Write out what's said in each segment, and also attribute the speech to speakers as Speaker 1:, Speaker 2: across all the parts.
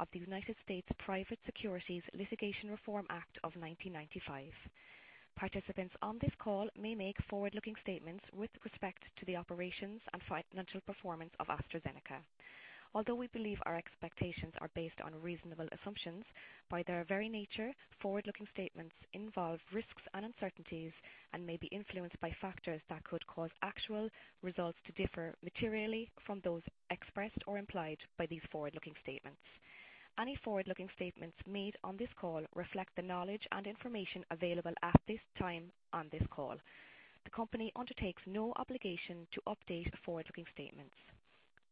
Speaker 1: Of the United States Private Securities Litigation Reform Act of 1995. Participants on this call may make forward-looking statements with respect to the operations and financial performance of AstraZeneca. Although we believe our expectations are based on reasonable assumptions, by their very nature, forward-looking statements involve risks and uncertainties and may be influenced by factors that could cause actual results to differ materially from those expressed or implied by these forward-looking statements. Any forward-looking statements made on this call reflect the knowledge and information available at this time on this call. The company undertakes no obligation to update forward-looking statements.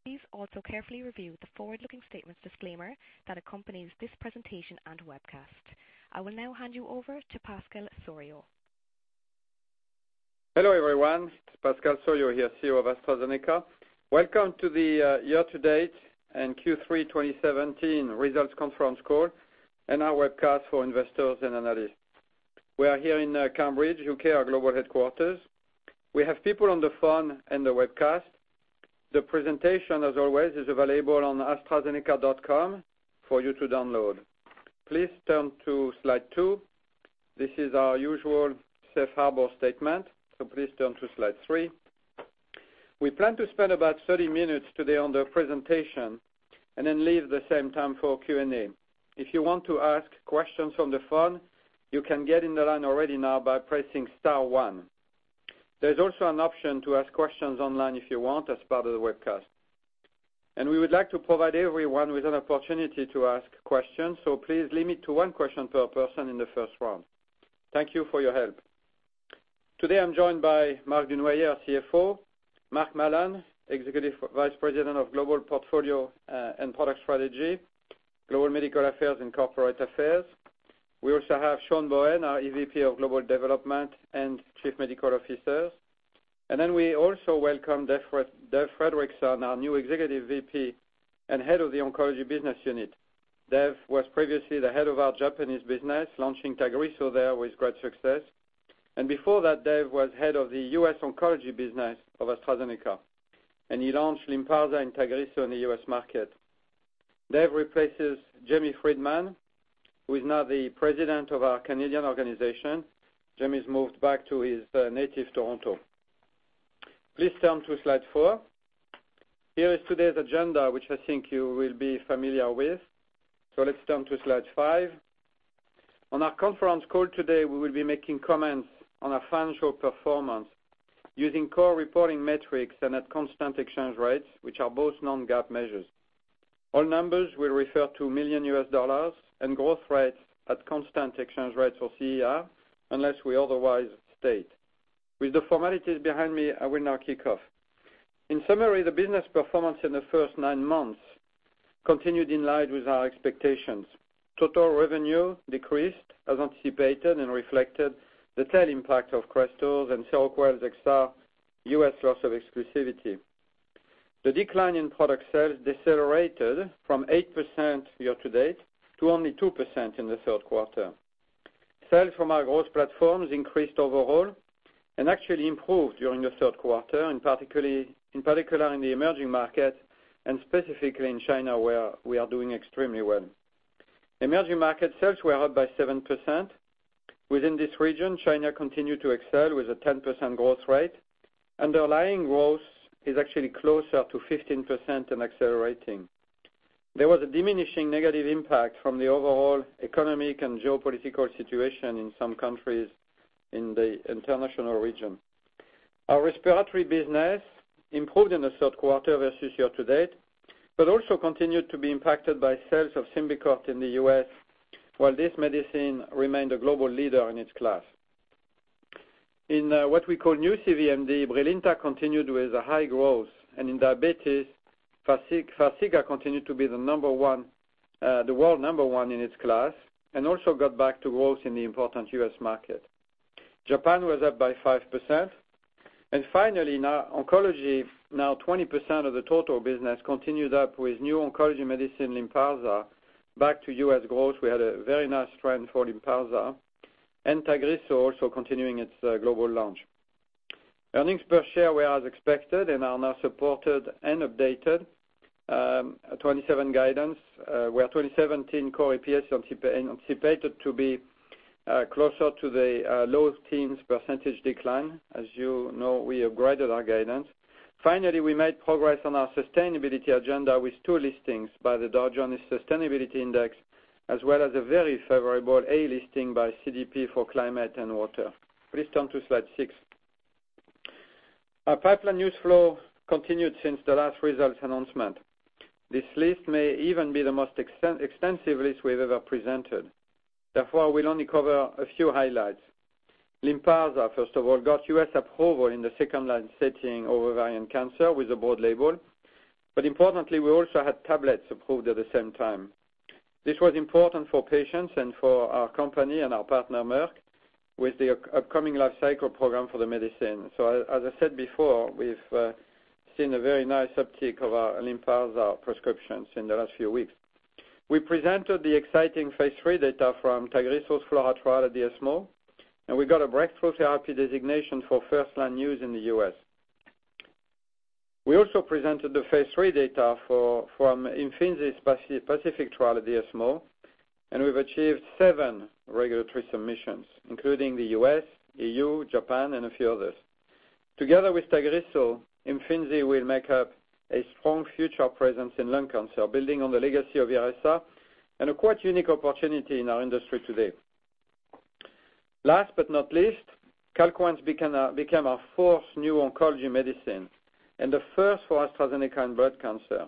Speaker 1: Please also carefully review the forward-looking statements disclaimer that accompanies this presentation and webcast. I will now hand you over to Pascal Soriot.
Speaker 2: Hello, everyone. It's Pascal Soriot here, CEO of AstraZeneca. Welcome to the year to date and Q3 2017 results conference call and our webcast for investors and analysts. We are here in Cambridge, U.K., our global headquarters. We have people on the phone and the webcast. The presentation, as always, is available on astrazeneca.com for you to download. Please turn to slide two. This is our usual safe harbor statement. Please turn to slide three. We plan to spend about 30 minutes today on the presentation and then leave the same time for Q&A. If you want to ask questions from the phone, you can get in the line already now by pressing star one. There's also an option to ask questions online if you want as part of the webcast. We would like to provide everyone with an opportunity to ask questions, so please limit to one question per person in the first round. Thank you for your help. Today, I'm joined by Marc Dunoyer, our CFO, Mark Mallon, Executive Vice President of Global Portfolio and Product Strategy, Global Medical Affairs, and Corporate Affairs. We also have Sean Bohen, our EVP of Global Development and Chief Medical Officer. We also welcome Dave Fredrickson, our new Executive VP and Head of the Oncology Business Unit. Dave was previously the head of our Japanese business, launching Tagrisso there with great success. Before that, Dave was Head of the U.S. Oncology business of AstraZeneca, and he launched Lynparza and Tagrisso in the U.S. market. Dave replaces Jamie Freedman, who is now the President of our Canadian organization. Jamie's moved back to his native Toronto. Please turn to slide four. Here is today's agenda, which I think you will be familiar with. Let's turn to slide five. On our conference call today, we will be making comments on our financial performance using core reporting metrics and at constant exchange rates, which are both non-GAAP measures. All numbers will refer to million U.S. dollars and growth rates at constant exchange rates, or CER, unless we otherwise state. With the formalities behind me, I will now kick off. In summary, the business performance in the first nine months continued in line with our expectations. Total revenue decreased as anticipated and reflected the tail impact of Crestor and Seroquel XR U.S. loss of exclusivity. The decline in product sales decelerated from 8% year to date to only 2% in the third quarter. Sales from our growth platforms increased overall and actually improved during the third quarter, in particular in the emerging market and specifically in China, where we are doing extremely well. Emerging market sales were up by 7%. Within this region, China continued to excel with a 10% growth rate. Underlying growth is actually closer to 15% and accelerating. There was a diminishing negative impact from the overall economic and geopolitical situation in some countries in the international region. Our respiratory business improved in the third quarter versus year to date, also continued to be impacted by sales of SYMBICORT in the U.S., while this medicine remained a global leader in its class. In what we call new CVMD, BRILINTA continued with a high growth, in diabetes, FARXIGA continued to be the world number 1 in its class and also got back to growth in the important U.S. market. Japan was up by 5%. Finally, now oncology, now 20% of the total business, continued up with new oncology medicine, LYNPARZA, back to U.S. growth. We had a very nice trend for LYNPARZA and TAGRISSO also continuing its global launch. Earnings per share were as expected and are now supported and updated. 2017 guidance, where 2017 core EPS anticipated to be closer to the low teens % decline. As you know, we have graded our guidance. Finally, we made progress on our sustainability agenda with two listings by the Dow Jones Sustainability Indices, as well as a very favorable A listing by CDP for climate and water. Please turn to slide six. Our pipeline news flow continued since the last results announcement. This list may even be the most extensive list we've ever presented. Therefore, we'll only cover a few highlights. LYNPARZA, first of all, got U.S. approval in the second-line setting ovarian cancer with a broad label. Importantly, we also had tablets approved at the same time. This was important for patients and for our company and our partner, Merck, with the upcoming lifecycle program for the medicine. As I said before, we've seen a very nice uptick of our LYNPARZA prescriptions in the last few weeks. We presented the exciting phase III data from TAGRISSO's FLAURA trial at ESMO, we got a breakthrough therapy designation for first-line use in the U.S. We also presented the phase III data from IMFINZI's PACIFIC trial at ESMO, we've achieved seven regulatory submissions, including the U.S., EU, Japan, and a few others. Together with TAGRISSO, IMFINZI will make up a strong future presence in lung cancer, building on the legacy of IRESSA and a quite unique opportunity in our industry today. Last but not least, CALQUENCE became our fourth new oncology medicine and the first for AstraZeneca in blood cancer.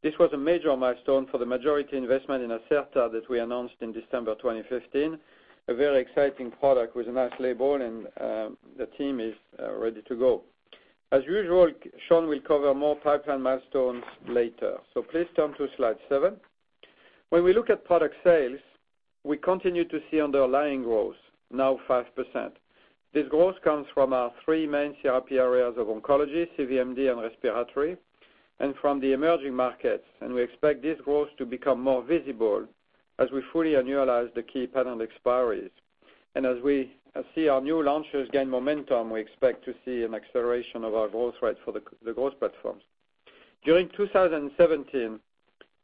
Speaker 2: This was a major milestone for the majority investment in Acerta that we announced in December 2015, a very exciting product with a nice label, the team is ready to go. As usual, Sean will cover more pipeline milestones later. Please turn to slide seven. When we look at product sales, we continue to see underlying growth, now 5%. This growth comes from our three main therapy areas of oncology, CVMD, and respiratory, from the emerging markets, we expect this growth to become more visible as we fully annualize the key patent expiries. As we see our new launches gain momentum, we expect to see an acceleration of our growth rates for the growth platforms. During 2017,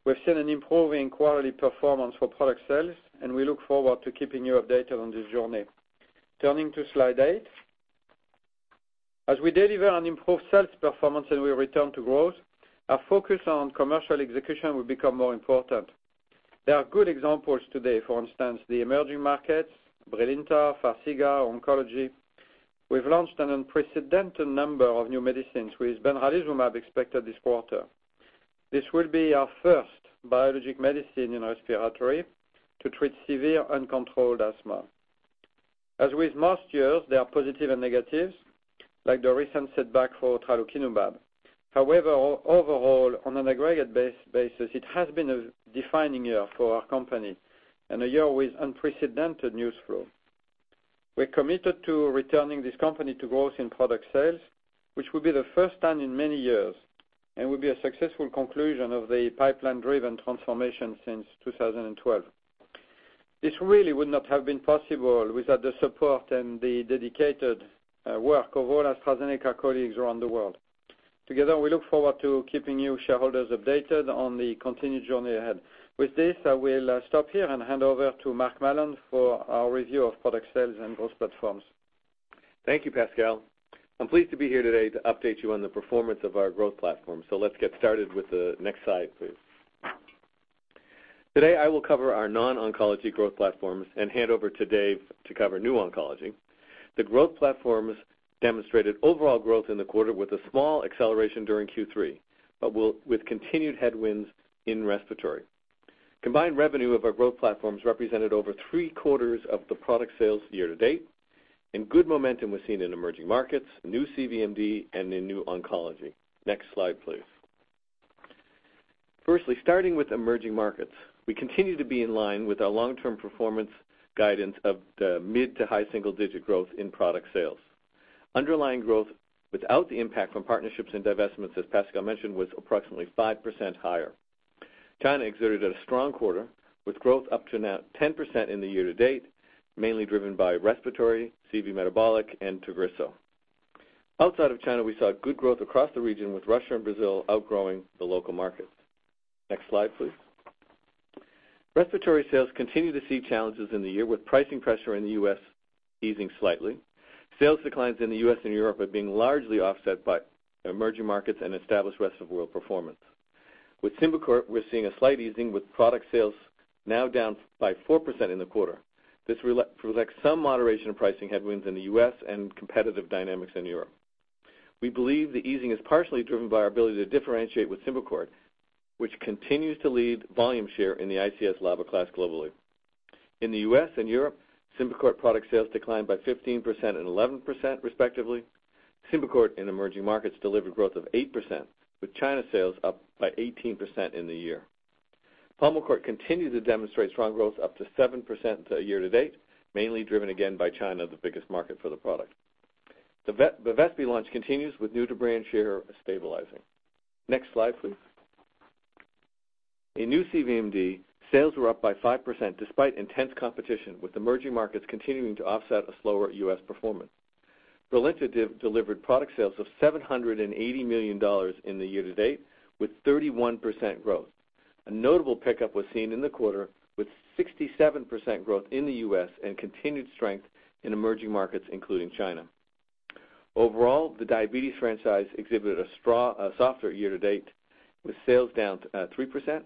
Speaker 2: we've seen an improving quality performance for product sales, and we look forward to keeping you updated on this journey. Turning to slide eight. As we deliver on improved sales performance and we return to growth, our focus on commercial execution will become more important. There are good examples today. For instance, the emerging markets, BRILINTA, FARXIGA, oncology. We've launched an unprecedented number of new medicines, with benralizumab expected this quarter. This will be our first biologic medicine in respiratory to treat severe uncontrolled asthma. As with most years, there are positives and negatives, like the recent setback for tralokinumab. However, overall, on an aggregate basis, it has been a defining year for our company and a year with unprecedented news flow. We're committed to returning this company to growth in product sales, which will be the first time in many years and will be a successful conclusion of the pipeline-driven transformation since 2012. This really would not have been possible without the support and the dedicated work of all AstraZeneca colleagues around the world. Together, we look forward to keeping you shareholders updated on the continued journey ahead. With this, I will stop here and hand over to Mark Mallon for our review of product sales and growth platforms.
Speaker 3: Thank you, Pascal. I'm pleased to be here today to update you on the performance of our growth platform. Let's get started with the next slide, please. Today, I will cover our non-oncology growth platforms and hand over to Dave to cover new oncology. The growth platforms demonstrated overall growth in the quarter with a small acceleration during Q3, but with continued headwinds in respiratory. Combined revenue of our growth platforms represented over three-quarters of the product sales year to date, and good momentum was seen in emerging markets, new CVMD, and in new oncology. Next slide, please. Firstly, starting with emerging markets, we continue to be in line with our long-term performance guidance of the mid to high single-digit growth in product sales. Underlying growth without the impact from partnerships and divestments, as Pascal mentioned, was approximately 5% higher. China exhibited a strong quarter, with growth up to now 10% in the year to date, mainly driven by respiratory, CV metabolic, and TAGRISSO. Outside of China, we saw good growth across the region, with Russia and Brazil outgrowing the local markets. Next slide, please. Respiratory sales continue to see challenges in the year, with pricing pressure in the U.S. easing slightly. Sales declines in the U.S. and Europe are being largely offset by emerging markets and established rest-of-world performance. With SYMBICORT, we're seeing a slight easing, with product sales now down by 4% in the quarter. This reflects some moderation in pricing headwinds in the U.S. and competitive dynamics in Europe. We believe the easing is partially driven by our ability to differentiate with SYMBICORT, which continues to lead volume share in the ICS/LABA class globally. In the U.S. and Europe, Symbicort product sales declined by 15% and 11%, respectively. Symbicort in emerging markets delivered growth of 8%, with China sales up by 18% in the year. Pulmicort continued to demonstrate strong growth, up to 7% year to date, mainly driven again by China, the biggest market for the product. Bevespi launch continues with new-to-brand share stabilizing. Next slide, please. In new CVMD, sales were up by 5%, despite intense competition, with emerging markets continuing to offset a slower U.S. performance. Brilinta delivered product sales of $780 million in the year to date, with 31% growth. A notable pickup was seen in the quarter, with 67% growth in the U.S. and continued strength in emerging markets, including China. Overall, the diabetes franchise exhibited a softer year to date, with sales down 3%.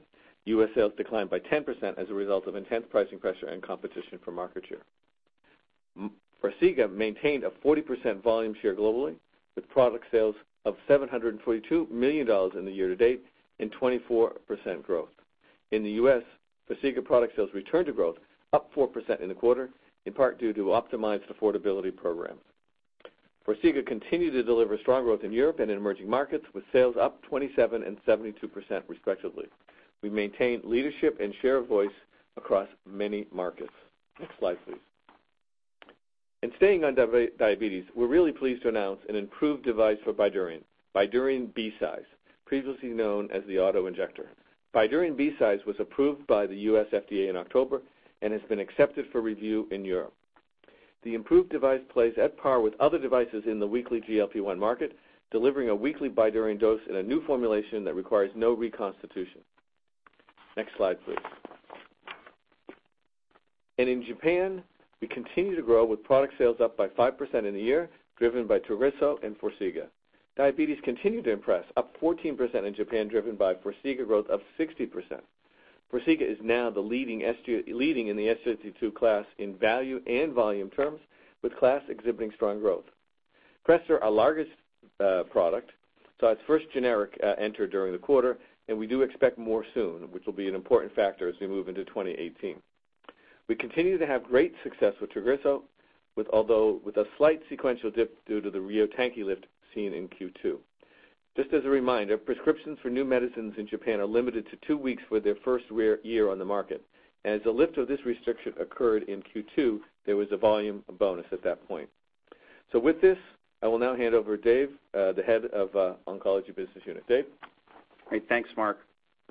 Speaker 3: U.S. sales declined by 10% as a result of intense pricing pressure and competition for market share. Farxiga maintained a 40% volume share globally, with product sales of $742 million in the year to date and 24% growth. In the U.S., Farxiga product sales returned to growth, up 4% in the quarter, in part due to optimized affordability programs. Farxiga continued to deliver strong growth in Europe and in emerging markets, with sales up 27% and 72%, respectively. We maintained leadership and share of voice across many markets. Next slide, please. In staying on diabetes, we're really pleased to announce an improved device for Bydureon BCise, previously known as the auto-injector. Bydureon BCise was approved by the U.S. FDA in October and has been accepted for review in Europe. The improved device plays at par with other devices in the weekly GLP-1 market, delivering a weekly BYDUREON dose in a new formulation that requires no reconstitution. Next slide, please. In Japan, we continue to grow with product sales up by 5% in the year driven by Tagrisso and Forxiga. Diabetes continued to impress, up 14% in Japan, driven by Forxiga growth up 60%. Forxiga is now the leading in the SGLT2 class in value and volume terms, with class exhibiting strong growth. Crestor, our largest product, saw its first generic enter during the quarter, and we do expect more soon, which will be an important factor as we move into 2018. We continue to have great success with Tagrisso, although with a slight sequential dip due to the Ryo-Tanki lift seen in Q2. Just as a reminder, prescriptions for new medicines in Japan are limited to two weeks for their first year on the market. As the lift of this restriction occurred in Q2, there was a volume bonus at that point. With this, I will now hand over to Dave, the Head of Oncology Business Unit. Dave?
Speaker 4: Great. Thanks, Mark.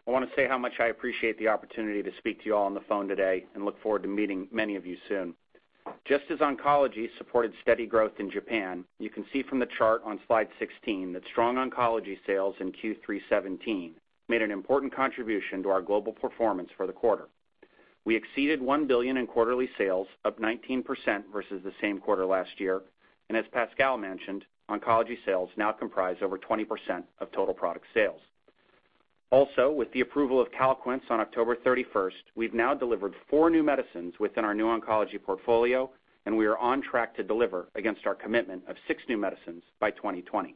Speaker 4: I want to say how much I appreciate the opportunity to speak to you all on the phone today and look forward to meeting many of you soon. Just as Oncology supported steady growth in Japan, you can see from the chart on slide 16 that strong Oncology sales in Q3'17 made an important contribution to our global performance for the quarter. We exceeded $1 billion in quarterly sales, up 19% versus the same quarter last year, as Pascal mentioned, Oncology sales now comprise over 20% of total product sales. With the approval of CALQUENCE on October 31st, we've now delivered four new medicines within our new Oncology portfolio, and we are on track to deliver against our commitment of six new medicines by 2020.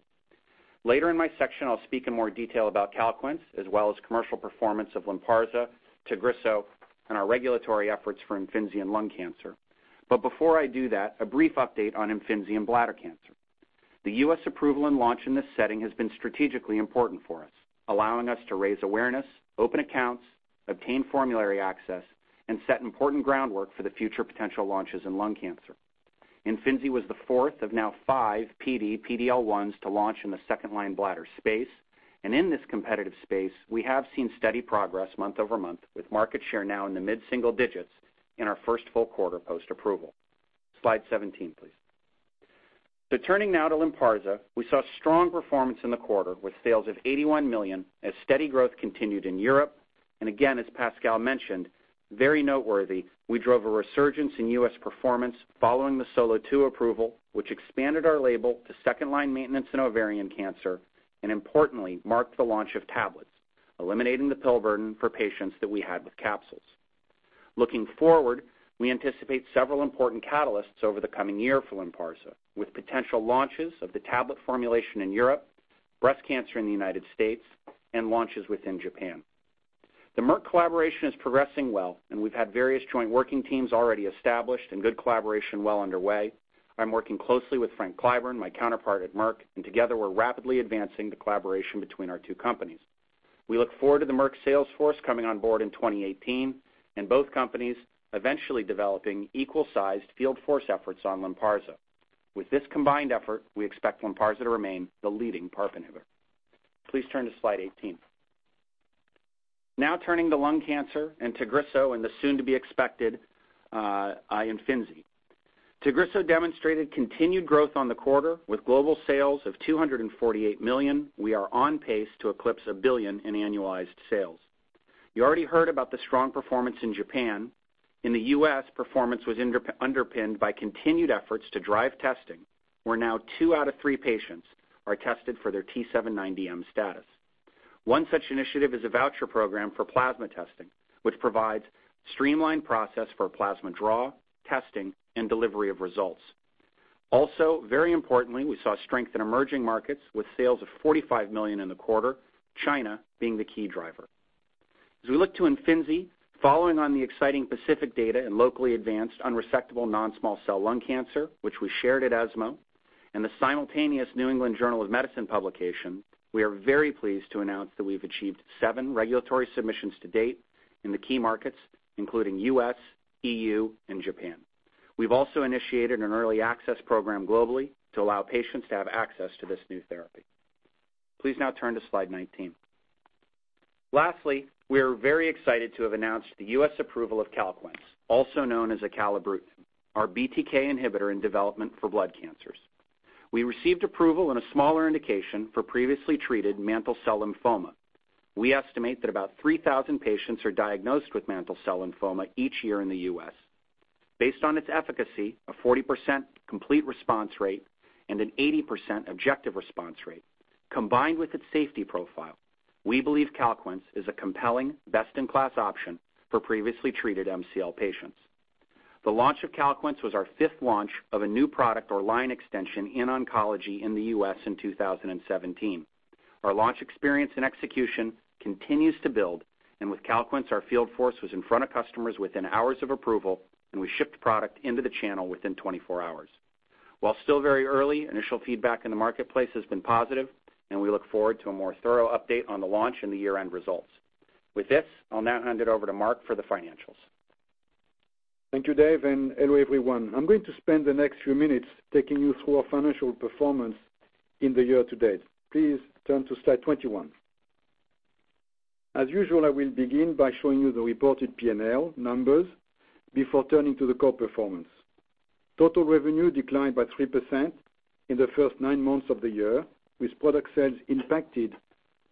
Speaker 4: Later in my section, I'll speak in more detail about CALQUENCE as well as commercial performance of LYNPARZA, TAGRISSO, and our regulatory efforts for IMFINZI in lung cancer. Before I do that, a brief update on IMFINZI in bladder cancer. The U.S. approval and launch in this setting has been strategically important for us, allowing us to raise awareness, open accounts, obtain formulary access, and set important groundwork for the future potential launches in lung cancer. IMFINZI was the fourth of now five PD/PD-L1s to launch in the second-line bladder space, and in this competitive space, we have seen steady progress month-over-month, with market share now in the mid-single digits in our first full quarter post-approval. Slide 17, please. Turning now to LYNPARZA, we saw strong performance in the quarter with sales of $81 million as steady growth continued in Europe. Again, as Pascal mentioned, very noteworthy, we drove a resurgence in U.S. performance following the SOLO2 approval, which expanded our label to second-line maintenance in ovarian cancer and importantly marked the launch of tablets, eliminating the pill burden for patients that we had with capsules. Looking forward, we anticipate several important catalysts over the coming year for LYNPARZA, with potential launches of the tablet formulation in Europe, breast cancer in the United States, and launches within Japan. The Merck collaboration is progressing well, we've had various joint working teams already established and good collaboration well underway. I'm working closely with Frank Clyburn, my counterpart at Merck, together we're rapidly advancing the collaboration between our two companies. We look forward to the Merck sales force coming on board in 2018, and both companies eventually developing equal-sized field force efforts on LYNPARZA. With this combined effort, we expect LYNPARZA to remain the leading PARP inhibitor. Please turn to slide 18. Turning to lung cancer and TAGRISSO and the soon-to-be expected IMFINZI. TAGRISSO demonstrated continued growth on the quarter with global sales of $248 million. We are on pace to eclipse $1 billion in annualized sales. You already heard about the strong performance in Japan. In the U.S., performance was underpinned by continued efforts to drive testing, where now two out of three patients are tested for their T790M status. One such initiative is a voucher program for plasma testing, which provides streamlined process for plasma draw, testing, and delivery of results. Very importantly, we saw strength in emerging markets with sales of $45 million in the quarter, China being the key driver. As we look to IMFINZI, following on the exciting PACIFIC data in locally advanced unresectable non-small cell lung cancer, which we shared at ESMO, and the simultaneous New England Journal of Medicine publication, we are very pleased to announce that we've achieved seven regulatory submissions to date in the key markets, including U.S., EU, and Japan. We've also initiated an early access program globally to allow patients to have access to this new therapy. Please now turn to slide 19. Lastly, we are very excited to have announced the U.S. approval of CALQUENCE, also known as acalabrutinib, our BTK inhibitor in development for blood cancers. We received approval in a smaller indication for previously treated mantle cell lymphoma. We estimate that about 3,000 patients are diagnosed with mantle cell lymphoma each year in the U.S. Based on its efficacy, a 40% complete response rate and an 80% objective response rate, combined with its safety profile, we believe CALQUENCE is a compelling best-in-class option for previously treated MCL patients. The launch of CALQUENCE was our fifth launch of a new product or line extension in Oncology in the U.S. in 2017. Our launch experience and execution continues to build. With CALQUENCE, our field force was in front of customers within hours of approval, and we shipped the product into the channel within 24 hours. While still very early, initial feedback in the marketplace has been positive. We look forward to a more thorough update on the launch in the year-end results. With this, I'll now hand it over to Marc for the financials.
Speaker 5: Thank you, Dave. Hello, everyone. I'm going to spend the next few minutes taking you through our financial performance in the year to date. Please turn to slide 21. As usual, I will begin by showing you the reported P&L numbers before turning to the core performance. Total revenue declined by 3% in the first nine months of the year, with product sales impacted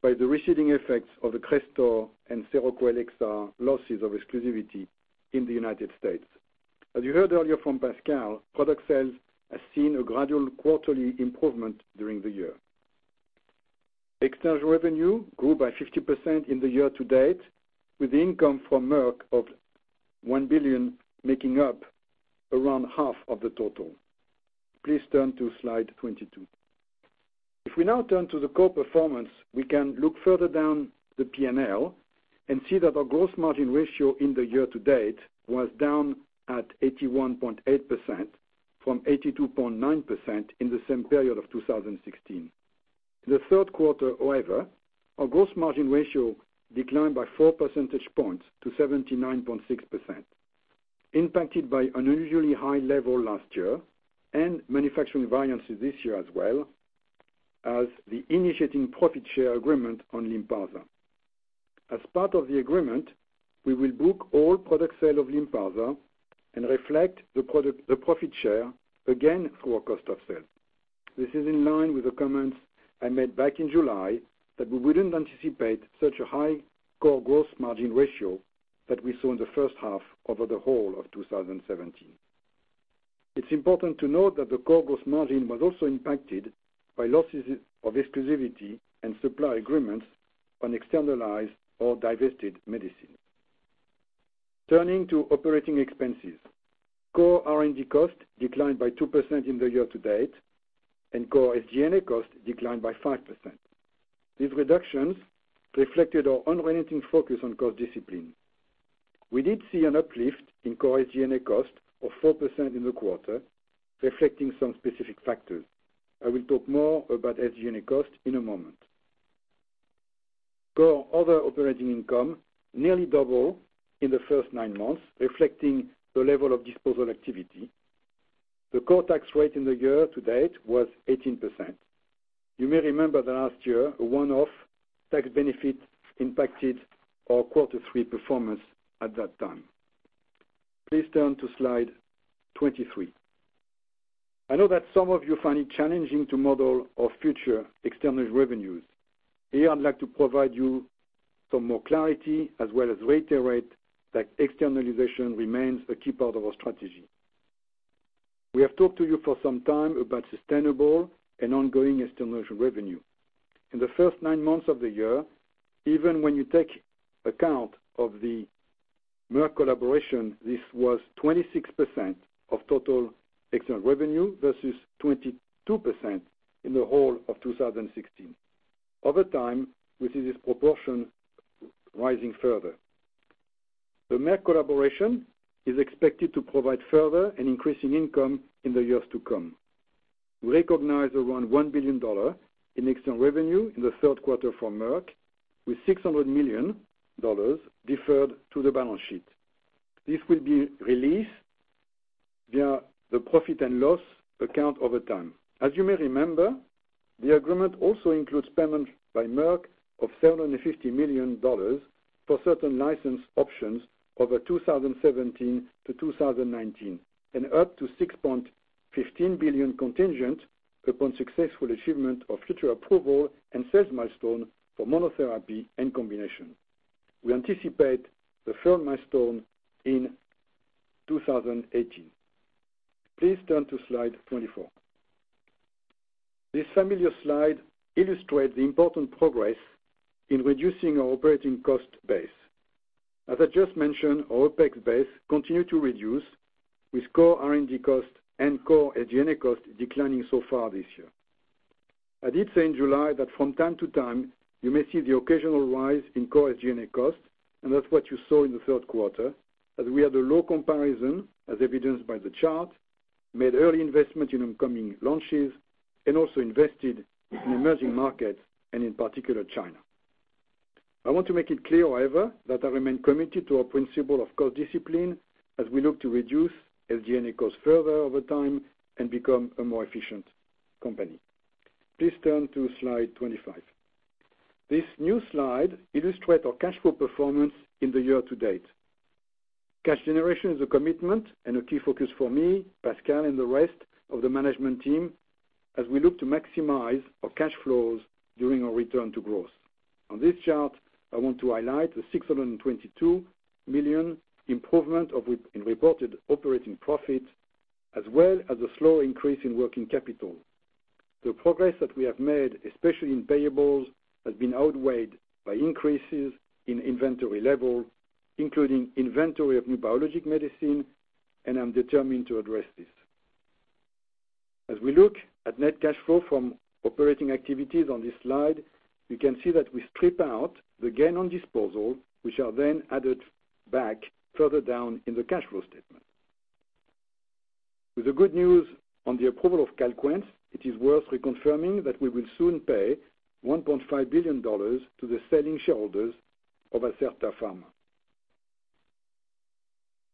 Speaker 5: by the receding effects of the CRESTOR and SEROQUEL XR losses of exclusivity in the United States. As you heard earlier from Pascal, product sales has seen a gradual quarterly improvement during the year. External revenue grew by 50% in the year to date, with income from Merck of $1 billion making up around half of the total. Please turn to Slide 22. If we now turn to the core performance, we can look further down the P&L and see that our gross margin ratio in the year to date was down at 81.8% from 82.9% in the same period of 2016. The third quarter, however, our gross margin ratio declined by 4 percentage points to 79.6%, impacted by an unusually high level last year and manufacturing variances this year as well as the initiating profit share agreement on LYNPARZA. As part of the agreement, we will book all product sale of LYNPARZA and reflect the profit share again through our cost of sales. This is in line with the comments I made back in July that we wouldn't anticipate such a high core gross margin ratio that we saw in the first half over the whole of 2017. It's important to note that the core gross margin was also impacted by losses of exclusivity and supply agreements on externalized or divested medicine. Turning to operating expenses. Core R&D costs declined by 2% in the year to date, and core SG&A costs declined by 5%. These reductions reflected our unrelenting focus on cost discipline. We did see an uplift in core SG&A costs of 4% in the quarter, reflecting some specific factors. I will talk more about SG&A costs in a moment. Core other operating income nearly double in the first nine months, reflecting the level of disposal activity. The core tax rate in the year to date was 18%. You may remember that last year, a one-off tax benefit impacted our quarter three performance at that time. Please turn to Slide 23. I know that some of you find it challenging to model our future external revenues. Here, I'd like to provide you some more clarity, as well as reiterate that externalization remains a key part of our strategy. We have talked to you for some time about sustainable and ongoing external revenue. In the first nine months of the year, even when you take account of the Merck collaboration, this was 26% of total external revenue versus 22% in the whole of 2016. Over time, we see this proportion rising further. The Merck collaboration is expected to provide further and increasing income in the years to come. We recognize around $1 billion in external revenue in the third quarter from Merck, with $600 million deferred to the balance sheet. This will be released via the profit and loss account over time. As you may remember, the agreement also includes payment by Merck of $750 million for certain license options over 2017 to 2019, and up to $6.15 billion contingent upon successful achievement of future approval and sales milestone for monotherapy and combination. We anticipate the third milestone in 2018. Please turn to Slide 24. This familiar slide illustrates the important progress in reducing our operating cost base. As I just mentioned, our OPEX base continue to reduce with core R&D costs and core SG&A costs declining so far this year. I did say in July that from time to time, you may see the occasional rise in core SG&A costs, and that's what you saw in the third quarter, as we had a low comparison, as evidenced by the chart, made early investment in upcoming launches, and also invested in emerging markets, and in particular, China. I want to make it clear, however, that I remain committed to our principle of cost discipline as we look to reduce SG&A costs further over time and become a more efficient company. Please turn to Slide 25. This new slide illustrates our cash flow performance in the year to date. Cash generation is a commitment and a key focus for me, Pascal, and the rest of the management team as we look to maximize our cash flows during our return to growth. On this chart, I want to highlight the $622 million improvement in reported operating profit, as well as the slow increase in working capital. The progress that we have made, especially in payables, has been outweighed by increases in inventory levels, including inventory of new biologic medicine, and I'm determined to address this. As we look at net cash flow from operating activities on this slide, we can see that we strip out the gain on disposal, which are then added back further down in the cash flow statement. With the good news on the approval of CALQUENCE, it is worth reconfirming that we will soon pay $1.5 billion to the selling shareholders of Acerta Pharma.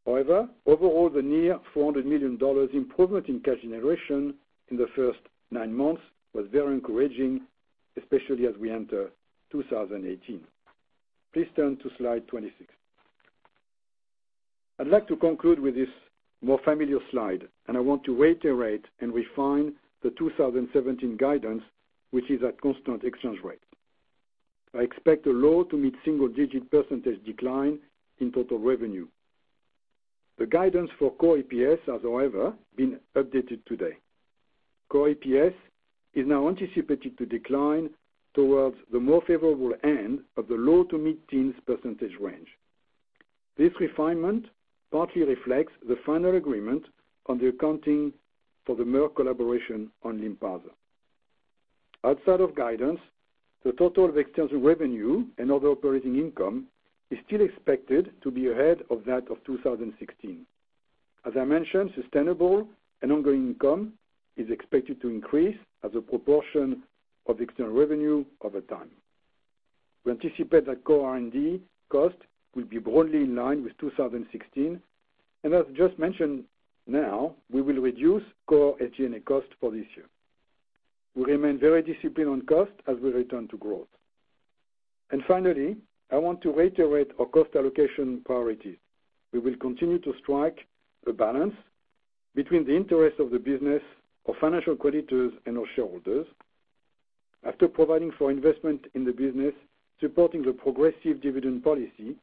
Speaker 5: Overall the near $400 million improvement in cash generation in the first nine months was very encouraging, especially as we enter 2018. Please turn to slide 26. I'd like to conclude with this more familiar slide. I want to reiterate and refine the 2017 guidance, which is at constant exchange rate. I expect a low to mid single-digit % decline in total revenue. The guidance for core EPS has, however, been updated today. Core EPS is now anticipated to decline towards the more favorable end of the low to mid-teens % range. This refinement partly reflects the final agreement on the accounting for the Merck collaboration on LYNPARZA. Outside of guidance, the total of external revenue and other operating income is still expected to be ahead of that of 2016. As I mentioned, sustainable and ongoing income is expected to increase as a proportion of external revenue over time. We anticipate that core R&D cost will be broadly in line with 2016. As just mentioned now, we will reduce core SG&A cost for this year. We remain very disciplined on cost as we return to growth. Finally, I want to reiterate our cost allocation priorities. We will continue to strike a balance between the interests of the business, our financial creditors, and our shareholders. After providing for investment in the business, supporting the progressive dividend policy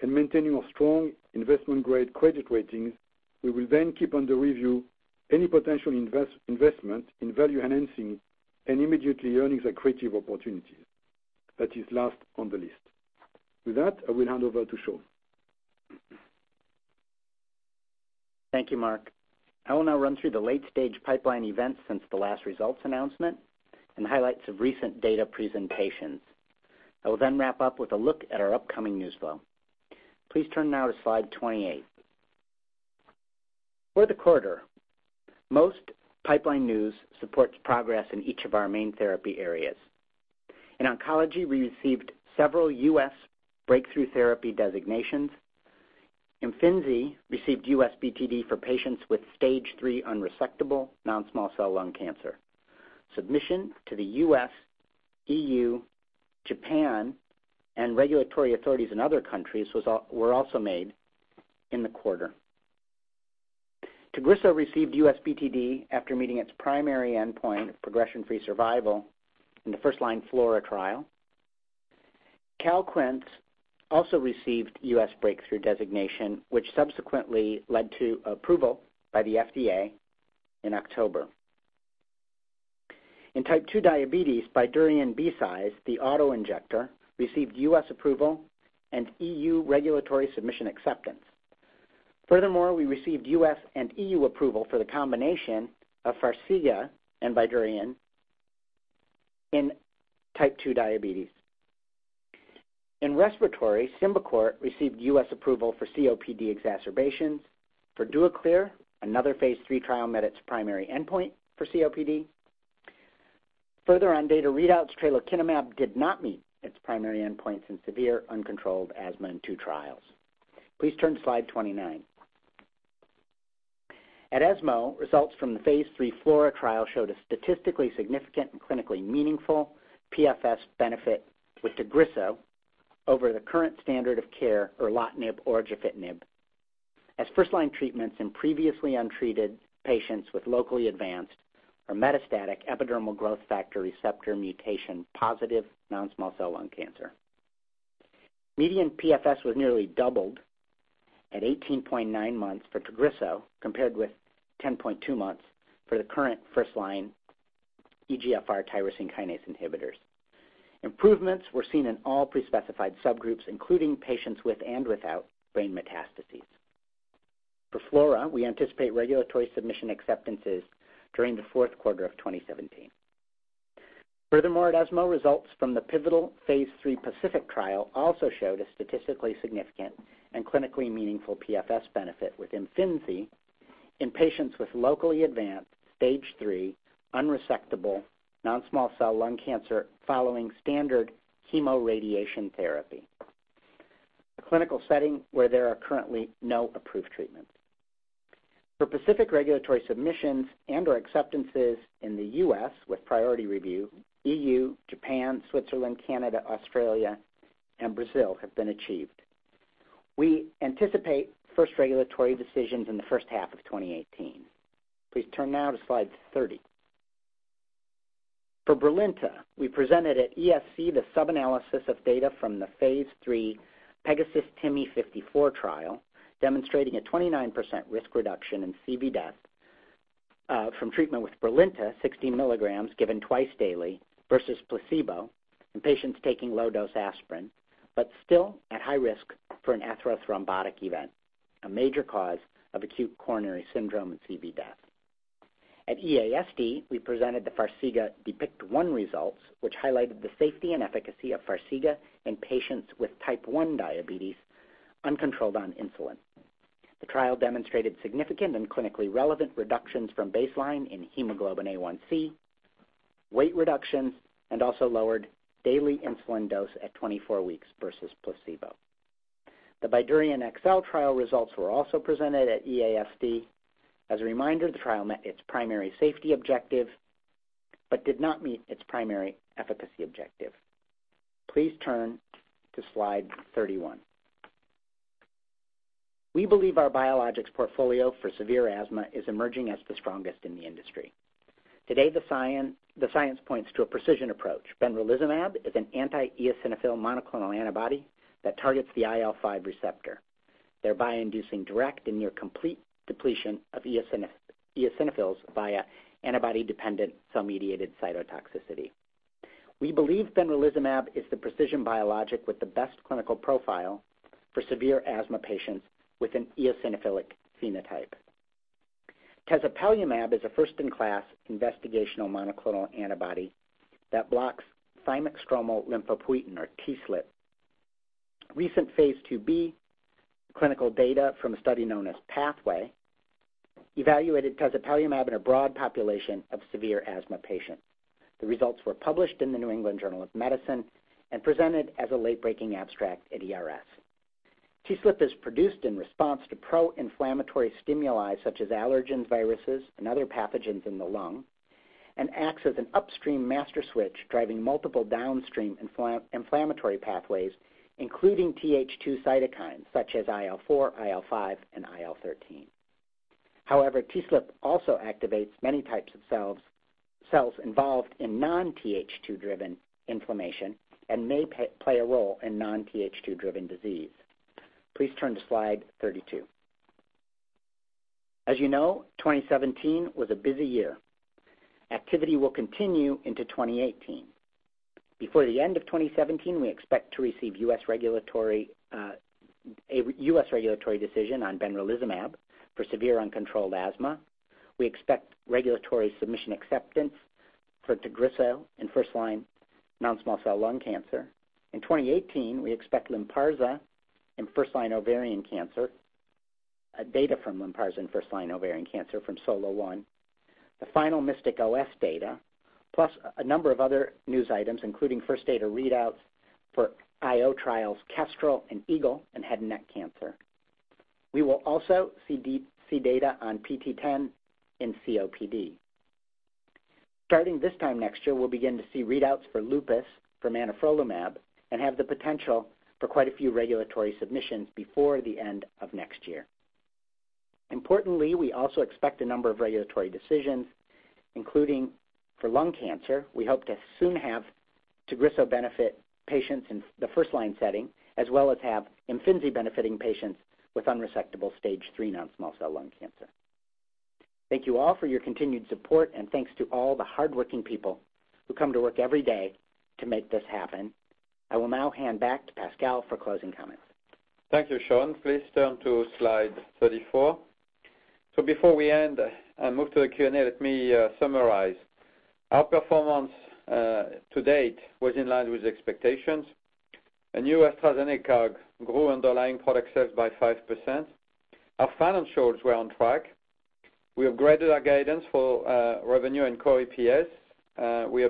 Speaker 5: and maintaining our strong investment-grade credit ratings, we will keep under review any potential investment in value enhancing and immediately earnings accretive opportunities. That is last on the list. With that, I will hand over to Sean.
Speaker 6: Thank you, Marc. I will now run through the late-stage pipeline events since the last results announcement and highlights of recent data presentations. I will wrap up with a look at our upcoming newsflow. Please turn now to slide 28. For the quarter, most pipeline news supports progress in each of our main therapy areas. In oncology, we received several U.S. breakthrough therapy designations. IMFINZI received U.S. BTD for patients with stage 3 unresectable non-small cell lung cancer. Submission to the U.S., EU, Japan, and regulatory authorities in other countries were also made in the quarter. TAGRISSO received U.S. BTD after meeting its primary endpoint of progression-free survival in the first line FLAURA trial. CALQUENCE also received U.S. breakthrough designation, which subsequently led to approval by the FDA in October. In type 2 diabetes, BYDUREON BCISE, the auto-injector, received U.S. approval and EU regulatory submission acceptance. Furthermore, we received U.S. and EU approval for the combination of FARXIGA and BYDUREON in type 2 diabetes. In respiratory, SYMBICORT received U.S. approval for COPD exacerbations. For Duaklir, another phase III trial met its primary endpoint for COPD. Further on data readouts, tralokinumab did not meet its primary endpoints in severe uncontrolled asthma in two trials. Please turn to slide 29. At ESMO, results from the phase III FLAURA trial showed a statistically significant and clinically meaningful PFS benefit with TAGRISSO over the current standard of care, erlotinib or gefitinib, as first-line treatments in previously untreated patients with locally advanced or metastatic epidermal growth factor receptor mutation positive non-small cell lung cancer. Median PFS was nearly doubled at 18.9 months for TAGRISSO, compared with 10.2 months for the current first-line EGFR tyrosine kinase inhibitors. Improvements were seen in all pre-specified subgroups, including patients with and without brain metastases. For FLAURA, we anticipate regulatory submission acceptances during the fourth quarter of 2017. Furthermore, at ESMO, results from the pivotal phase III PACIFIC trial also showed a statistically significant and clinically meaningful PFS benefit with IMFINZI in patients with locally advanced stage 3 unresectable non-small cell lung cancer following standard chemoradiation therapy, a clinical setting where there are currently no approved treatments. For PACIFIC regulatory submissions and/or acceptances in the U.S. with priority review, EU, Japan, Switzerland, Canada, Australia, and Brazil have been achieved. We anticipate first regulatory decisions in the first half of 2018. Please turn now to slide 30. For BRILINTA, we presented at ESC the sub-analysis of data from the phase III PEGASUS-TIMI 54 trial, demonstrating a 29% risk reduction in CV death from treatment with BRILINTA 16 milligrams given twice daily versus placebo in patients taking low-dose aspirin, but still at high risk for an atherothrombotic event, a major cause of acute coronary syndrome and CV death. At EASD, we presented the FARXIGA DEPICT-1 results, which highlighted the safety and efficacy of FARXIGA in patients with type 1 diabetes uncontrolled on insulin. The trial demonstrated significant and clinically relevant reductions from baseline in hemoglobin A1c, weight reduction, and also lowered daily insulin dose at 24 weeks versus placebo. The BYDUREON EXSCEL trial results were also presented at EASD. As a reminder, the trial met its primary safety objective but did not meet its primary efficacy objective. Please turn to slide 31. We believe our biologics portfolio for severe asthma is emerging as the strongest in the industry. Today, the science points to a precision approach. benralizumab is an anti-eosinophil monoclonal antibody that targets the IL-5 receptor, thereby inducing direct and near complete depletion of eosinophils via antibody-dependent cell-mediated cytotoxicity. We believe benralizumab is the precision biologic with the best clinical profile for severe asthma patients with an eosinophilic phenotype. tezepelumab is a first-in-class investigational monoclonal antibody that blocks thymic stromal lymphopoietin, or TSLP. Recent phase II-B clinical data from a study known as PATHWAY evaluated tezepelumab in a broad population of severe asthma patients. The results were published in "The New England Journal of Medicine" and presented as a late-breaking abstract at ERS. TSLP is produced in response to pro-inflammatory stimuli such as allergens, viruses, and other pathogens in the lung, and acts as an upstream master switch driving multiple downstream inflammatory pathways, including TH2 cytokines such as IL-4, IL-5, and IL-13. However, TSLP also activates many types of cells involved in non-TH2 driven inflammation and may play a role in non-TH2 driven disease. Please turn to slide 32. As you know, 2017 was a busy year. Activity will continue into 2018. Before the end of 2017, we expect to receive a U.S. regulatory decision on benralizumab for severe uncontrolled asthma. We expect regulatory submission acceptance for Tagrisso in first-line non-small cell lung cancer. In 2018, we expect data from LYNPARZA in first-line ovarian cancer from SOLO-1, the final MYSTIC OS data, plus a number of other news items, including first data readouts for IO trials, KESTREL and EAGLE in head and neck cancer. We will also see data on PT010 in COPD. Starting this time next year, we will begin to see readouts for lupus from anifrolumab and have the potential for quite a few regulatory submissions before the end of next year. Importantly, we also expect a number of regulatory decisions, including for lung cancer. We hope to soon have Tagrisso benefit patients in the first-line setting, as well as have Imfinzi benefiting patients with unresectable Stage 3 non-small cell lung cancer. Thank you all for your continued support, and thanks to all the hardworking people who come to work every day to make this happen. I will now hand back to Pascal for closing comments.
Speaker 2: Thank you, Sean. Please turn to slide 34. Before we end and move to the Q&A, let me summarize. Our performance to date was in line with expectations. A new AstraZeneca grew underlying product sales by 5%. Our financials were on track. We upgraded our guidance for revenue and core EPS. We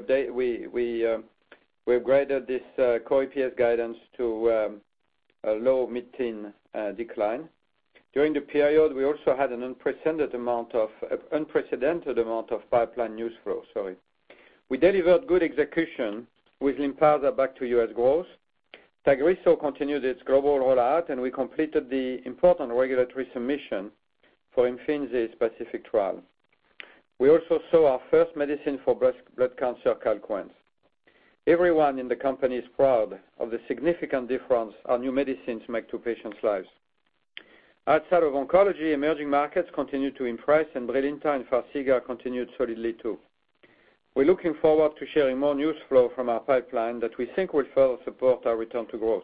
Speaker 2: upgraded this core EPS guidance to a low mid-teen decline. During the period, we also had an unprecedented amount of pipeline news flow. We delivered good execution with LYNPARZA back to U.S. growth. Tagrisso continued its global rollout, and we completed the important regulatory submission for Imfinzi's PACIFIC trial. We also saw our first medicine for blood cancer, CALQUENCE. Everyone in the company is proud of the significant difference our new medicines make to patients' lives. Outside of oncology, emerging markets continue to impress, and BRILINTA and FARXIGA continued solidly, too. We're looking forward to sharing more news flow from our pipeline that we think will further support our return to growth.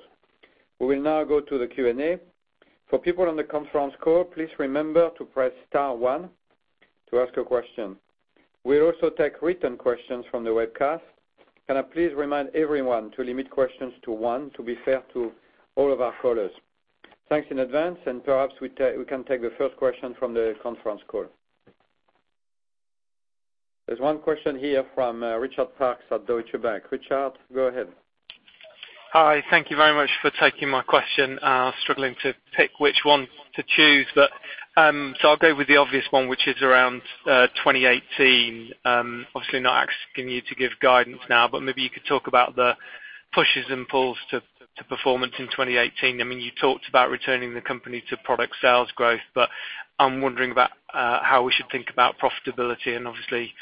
Speaker 2: We will now go to the Q&A. For people on the conference call, please remember to press *1 to ask a question. We'll also take written questions from the webcast. Can I please remind everyone to limit questions to one to be fair to all of our callers. Thanks in advance, and perhaps we can take the first question from the conference call. There's one question here from Richard Parkes at Deutsche Bank. Richard, go ahead.
Speaker 7: Hi. Thank you very much for taking my question. Struggling to pick which one to choose, but so I'll go with the obvious one, which is around 2018. Obviously not asking you to give guidance now, but maybe you could talk about the pushes and pulls to performance in 2018. You talked about returning the company to product sales growth, but I'm wondering about how we should think about profitability and obviously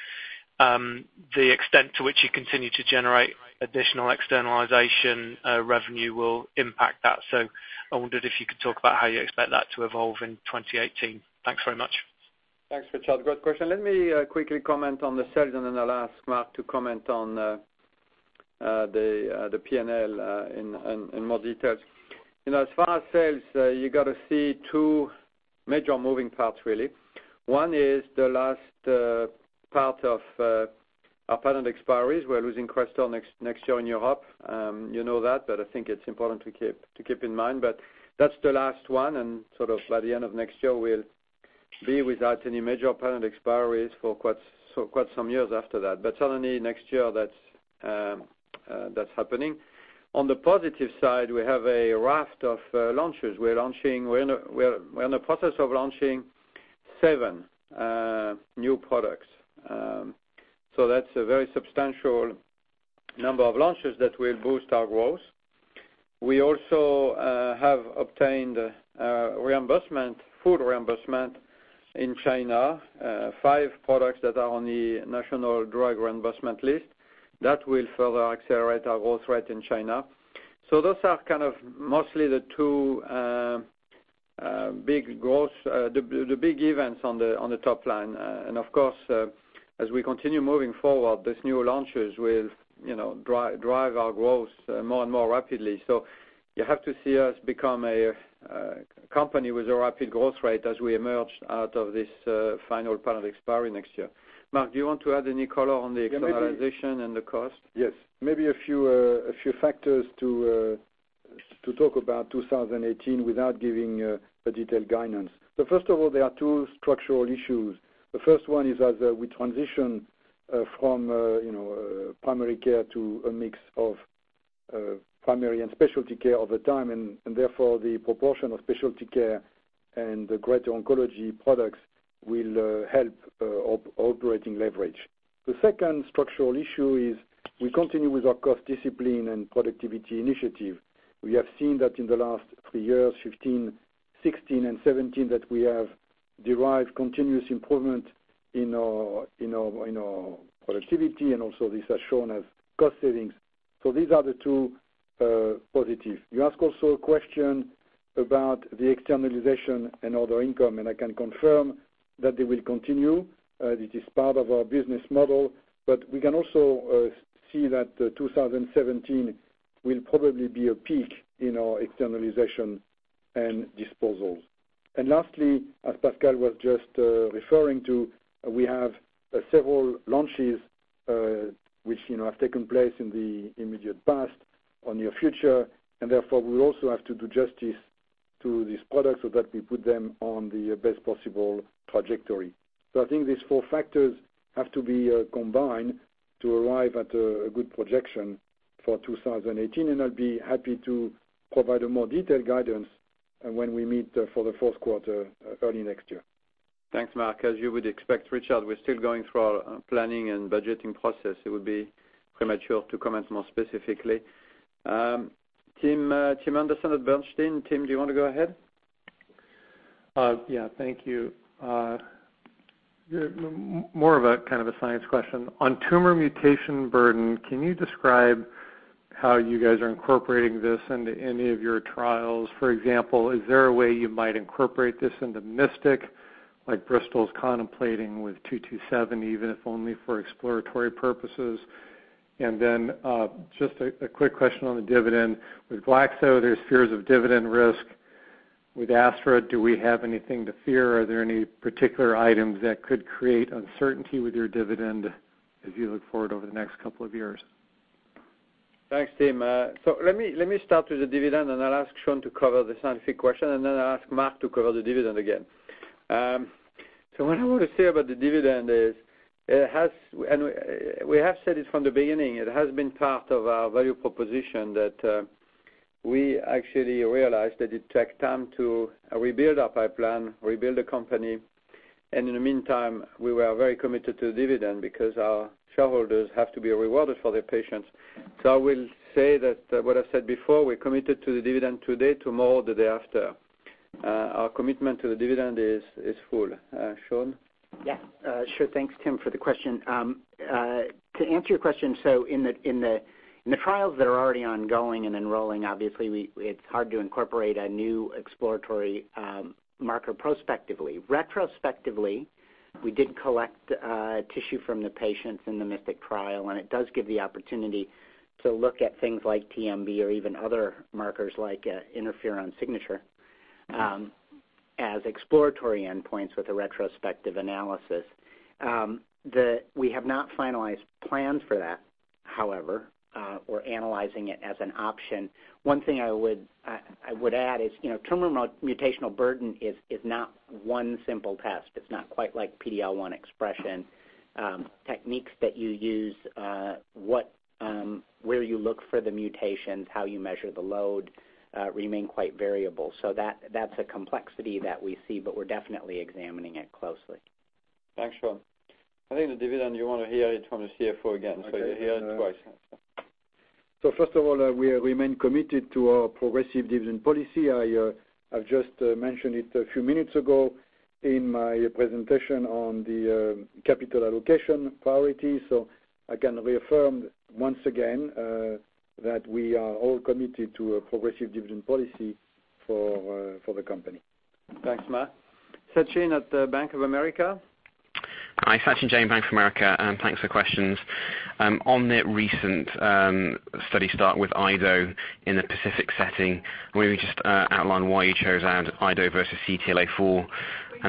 Speaker 7: the extent to which you continue to generate additional externalization revenue will impact that. So I wondered if you could talk about how you expect that to evolve in 2018. Thanks very much.
Speaker 2: Thanks, Richard. Great question. Let me quickly comment on the sales, then I'll ask Marc to comment on the P&L in more details. As far as sales, you got to see two major moving parts really. One is the last part of our patent expiries. We're losing CRESTOR next year in Europe. You know that, but I think it's important to keep in mind. That's the last one, and sort of by the end of next year, we'll be without any major patent expiries for quite some years after that. Suddenly next year, that's happening. On the positive side, we have a raft of launches. We're in the process of launching seven new products. That's a very substantial number of launches that will boost our growth. We also have obtained full reimbursement in China, five products that are on the national drug reimbursement list. That will further accelerate our growth rate in China. Those are kind of mostly the two big events on the top line. Of course, as we continue moving forward, these new launches will drive our growth more and more rapidly. You have to see us become a company with a rapid growth rate as we emerge out of this final patent expiry next year. Marc, do you want to add any color on the externalization and the cost?
Speaker 5: Yes. Maybe a few factors to talk about 2018 without giving a detailed guidance. First of all, there are two structural issues. The first one is as we transition from primary care to a mix of primary and specialty care over time, therefore the proportion of specialty care and the greater oncology products will help operating leverage. The second structural issue is we continue with our cost discipline and productivity initiative. We have seen that in the last three years, 2015, 2016, and 2017, that we have derived continuous improvement in our productivity and also this has shown as cost savings. These are the two positives. You ask also a question about the externalization and other income, I can confirm that they will continue. This is part of our business model, we can also see that 2017 will probably be a peak in our externalization and disposals. Lastly, as Pascal was just referring to, we have several launches which have taken place in the immediate past or near future, therefore we will also have to do justice to these products so that we put them on the best possible trajectory. I think these four factors have to be combined to arrive at a good projection for 2018, and I will be happy to provide a more detailed guidance when we meet for the fourth quarter early next year.
Speaker 2: Thanks, Marc. As you would expect, Richard, we're still going through our planning and budgeting process. It would be premature to comment more specifically. Tim Anderson at Bernstein. Tim, do you want to go ahead?
Speaker 8: Yeah. Thank you. More of a kind of a science question. On tumor mutation burden, can you describe how you guys are incorporating this into any of your trials? For example, is there a way you might incorporate this into MYSTIC, like Bristol's contemplating with 227, even if only for exploratory purposes? Just a quick question on the dividend. With Glaxo, there's fears of dividend risk. With Astra, do we have anything to fear? Are there any particular items that could create uncertainty with your dividend as you look forward over the next couple of years?
Speaker 2: Thanks, Tim. Let me start with the dividend, I'll ask Sean to cover the scientific question, then I'll ask Marc to cover the dividend again. What I want to say about the dividend is, we have said it from the beginning, it has been part of our value proposition that we actually realized that it takes time to rebuild our pipeline, rebuild the company, and in the meantime, we were very committed to the dividend because our shareholders have to be rewarded for their patience. I will say that what I said before, we're committed to the dividend today, tomorrow, the day after. Our commitment to the dividend is full. Sean?
Speaker 6: Yeah. Sure. Thanks, Tim, for the question. To answer your question, in the trials that are already ongoing and enrolling, obviously, it's hard to incorporate a new exploratory marker prospectively. Retrospectively, we did collect tissue from the patients in the MYSTIC trial, and it does give the opportunity to look at things like TMB or even other markers like interferon signature as exploratory endpoints with a retrospective analysis. We have not finalized plans for that, however. We're analyzing it as an option. One thing I would add is tumor mutational burden is not one simple test. It's not quite like PD-L1 expression. Techniques that you use, where you look for the mutations, how you measure the load remain quite variable. That's a complexity that we see, but we're definitely examining it closely.
Speaker 2: Thanks, Sean. I think the dividend, you want to hear it from the CFO again.
Speaker 5: Okay.
Speaker 2: You'll hear it twice.
Speaker 5: First of all, we remain committed to our progressive dividend policy. I have just mentioned it a few minutes ago in my presentation on the capital allocation priority. I can reaffirm once again that we are all committed to a progressive dividend policy for the company.
Speaker 2: Thanks, Marc. Sachin at Bank of America.
Speaker 9: Hi, Sachin Jain, Bank of America, thanks for questions. On the recent study start with IDO in the PACIFIC setting, maybe just outline why you chose IDO versus CTLA-4.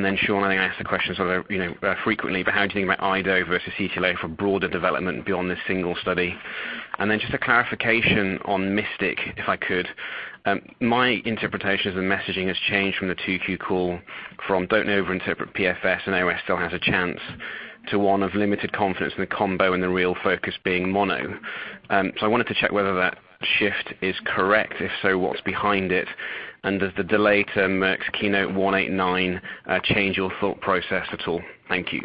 Speaker 9: Then Sean, I ask the question sort of frequently, but how do you think about IDO versus CTLA-4 broader development beyond this single study? Then just a clarification on MYSTIC, if I could. My interpretation of the messaging has changed from the 2Q call from "Don't over-interpret PFS, OS still has a chance," to one of limited confidence in the combo and the real focus being mono. I wanted to check whether that shift is correct. If so, what is behind it? Does the delay to Merck's KEYNOTE-189 change your thought process at all? Thank you.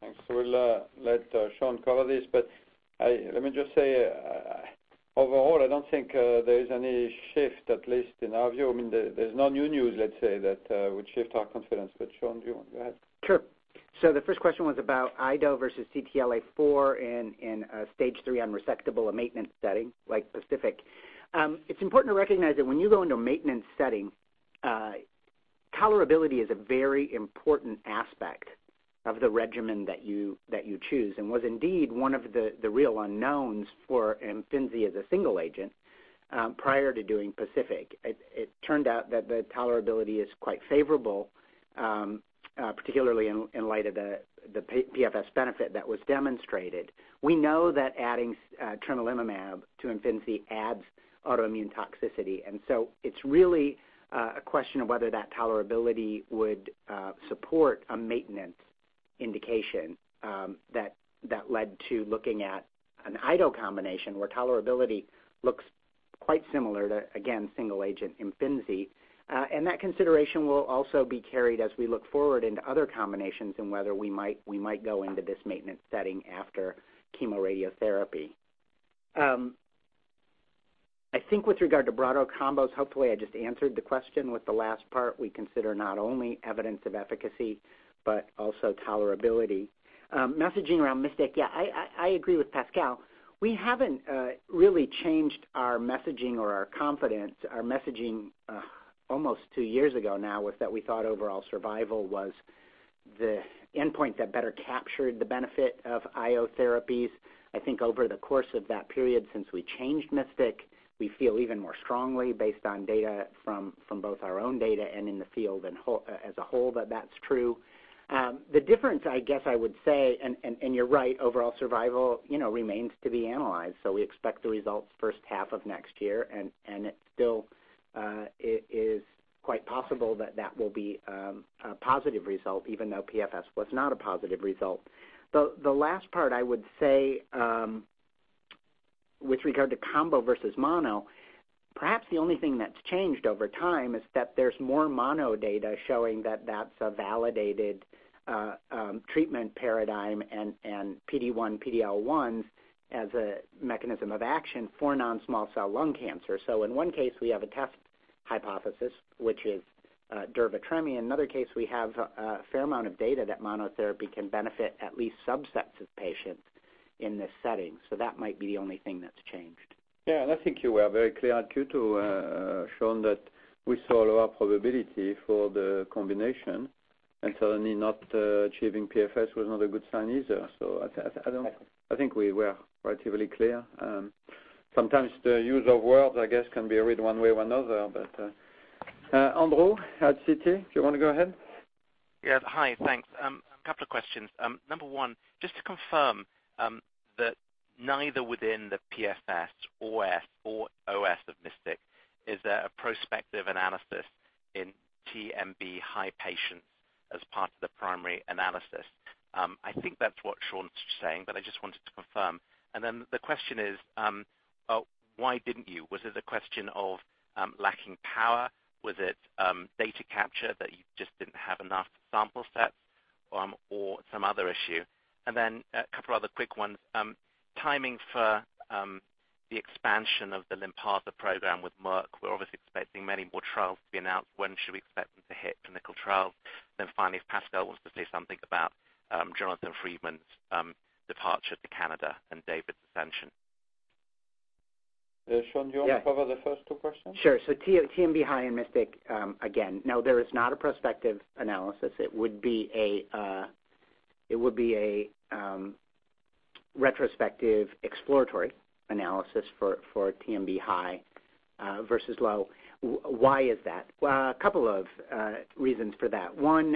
Speaker 2: Thanks. We will let Sean cover this, let me just say, overall, I don't think there is any shift, at least in our view. There is no new news, let's say, that would shift our confidence. Sean, do you want to go ahead?
Speaker 6: Sure. The first question was about IDO versus CTLA-4 in stage 3 unresectable, a maintenance setting like PACIFIC. It's important to recognize that when you go into a maintenance setting, tolerability is a very important aspect of the regimen that you choose and was indeed one of the real unknowns for IMFINZI as a single agent, prior to doing PACIFIC. It turned out that the tolerability is quite favorable, particularly in light of the PFS benefit that was demonstrated. We know that adding tremelimumab to IMFINZI adds autoimmune toxicity, and it's really a question of whether that tolerability would support a maintenance indication that led to looking at an IDO combination where tolerability looks quite similar to, again, single agent IMFINZI. That consideration will also be carried as we look forward into other combinations and whether we might go into this maintenance setting after chemoradiotherapy. I think with regard to broader combos, hopefully I just answered the question with the last part. We consider not only evidence of efficacy but also tolerability. Messaging around MYSTIC. Yeah. I agree with Pascal. We haven't really changed our messaging or our confidence. Our messaging almost 2 years ago now was that we thought overall survival was the endpoint that better captured the benefit of IO therapies. I think over the course of that period since we changed MYSTIC, we feel even more strongly based on data from both our own data and in the field as a whole that that's true. The difference, I guess I would say, and you're right, overall survival remains to be analyzed. We expect the results first half of next year, and it still is quite possible that that will be a positive result, even though PFS was not a positive result. The last part I would say, with regard to combo versus mono, perhaps the only thing that's changed over time is that there's more mono data showing that that's a validated treatment paradigm and PD-1, PD-L1 as a mechanism of action for non-small cell lung cancer. In one case, we have a test hypothesis, which is durva/tremi. In another case, we have a fair amount of data that monotherapy can benefit at least subsets of patients in this setting. That might be the only thing that's changed.
Speaker 2: Yeah, I think you were very clear Q2, Sean, that we saw lower probability for the combination, and certainly not achieving PFS was not a good sign either. I think we were relatively clear. Sometimes the use of words, I guess, can be read one way or another. Andrew at Citi, do you want to go ahead?
Speaker 10: Yes. Hi, thanks. A couple of questions. Number one, just to confirm that neither within the PFS, OS or OS of MYSTIC is there a prospective analysis in TMB high patients as part of the primary analysis. I think that's what Sean's saying, but I just wanted to confirm. The question is, why didn't you? Was it a question of lacking power? Was it data capture that you just didn't have enough sample sets or some other issue? A couple of other quick ones. Timing for the expansion of the LYNPARZA program with Merck. We're obviously expecting many more trials to be announced. When should we expect them to hit clinical trials? Finally, if Pascal wants to say something about Jamie Freedman's departure to Canada and David's ascension.
Speaker 2: Sean, do you want to cover the first two questions?
Speaker 6: Sure. TMB high and MYSTIC, again, no, there is not a prospective analysis. It would be a retrospective exploratory analysis for TMB high versus low. Why is that? A couple of reasons for that. One,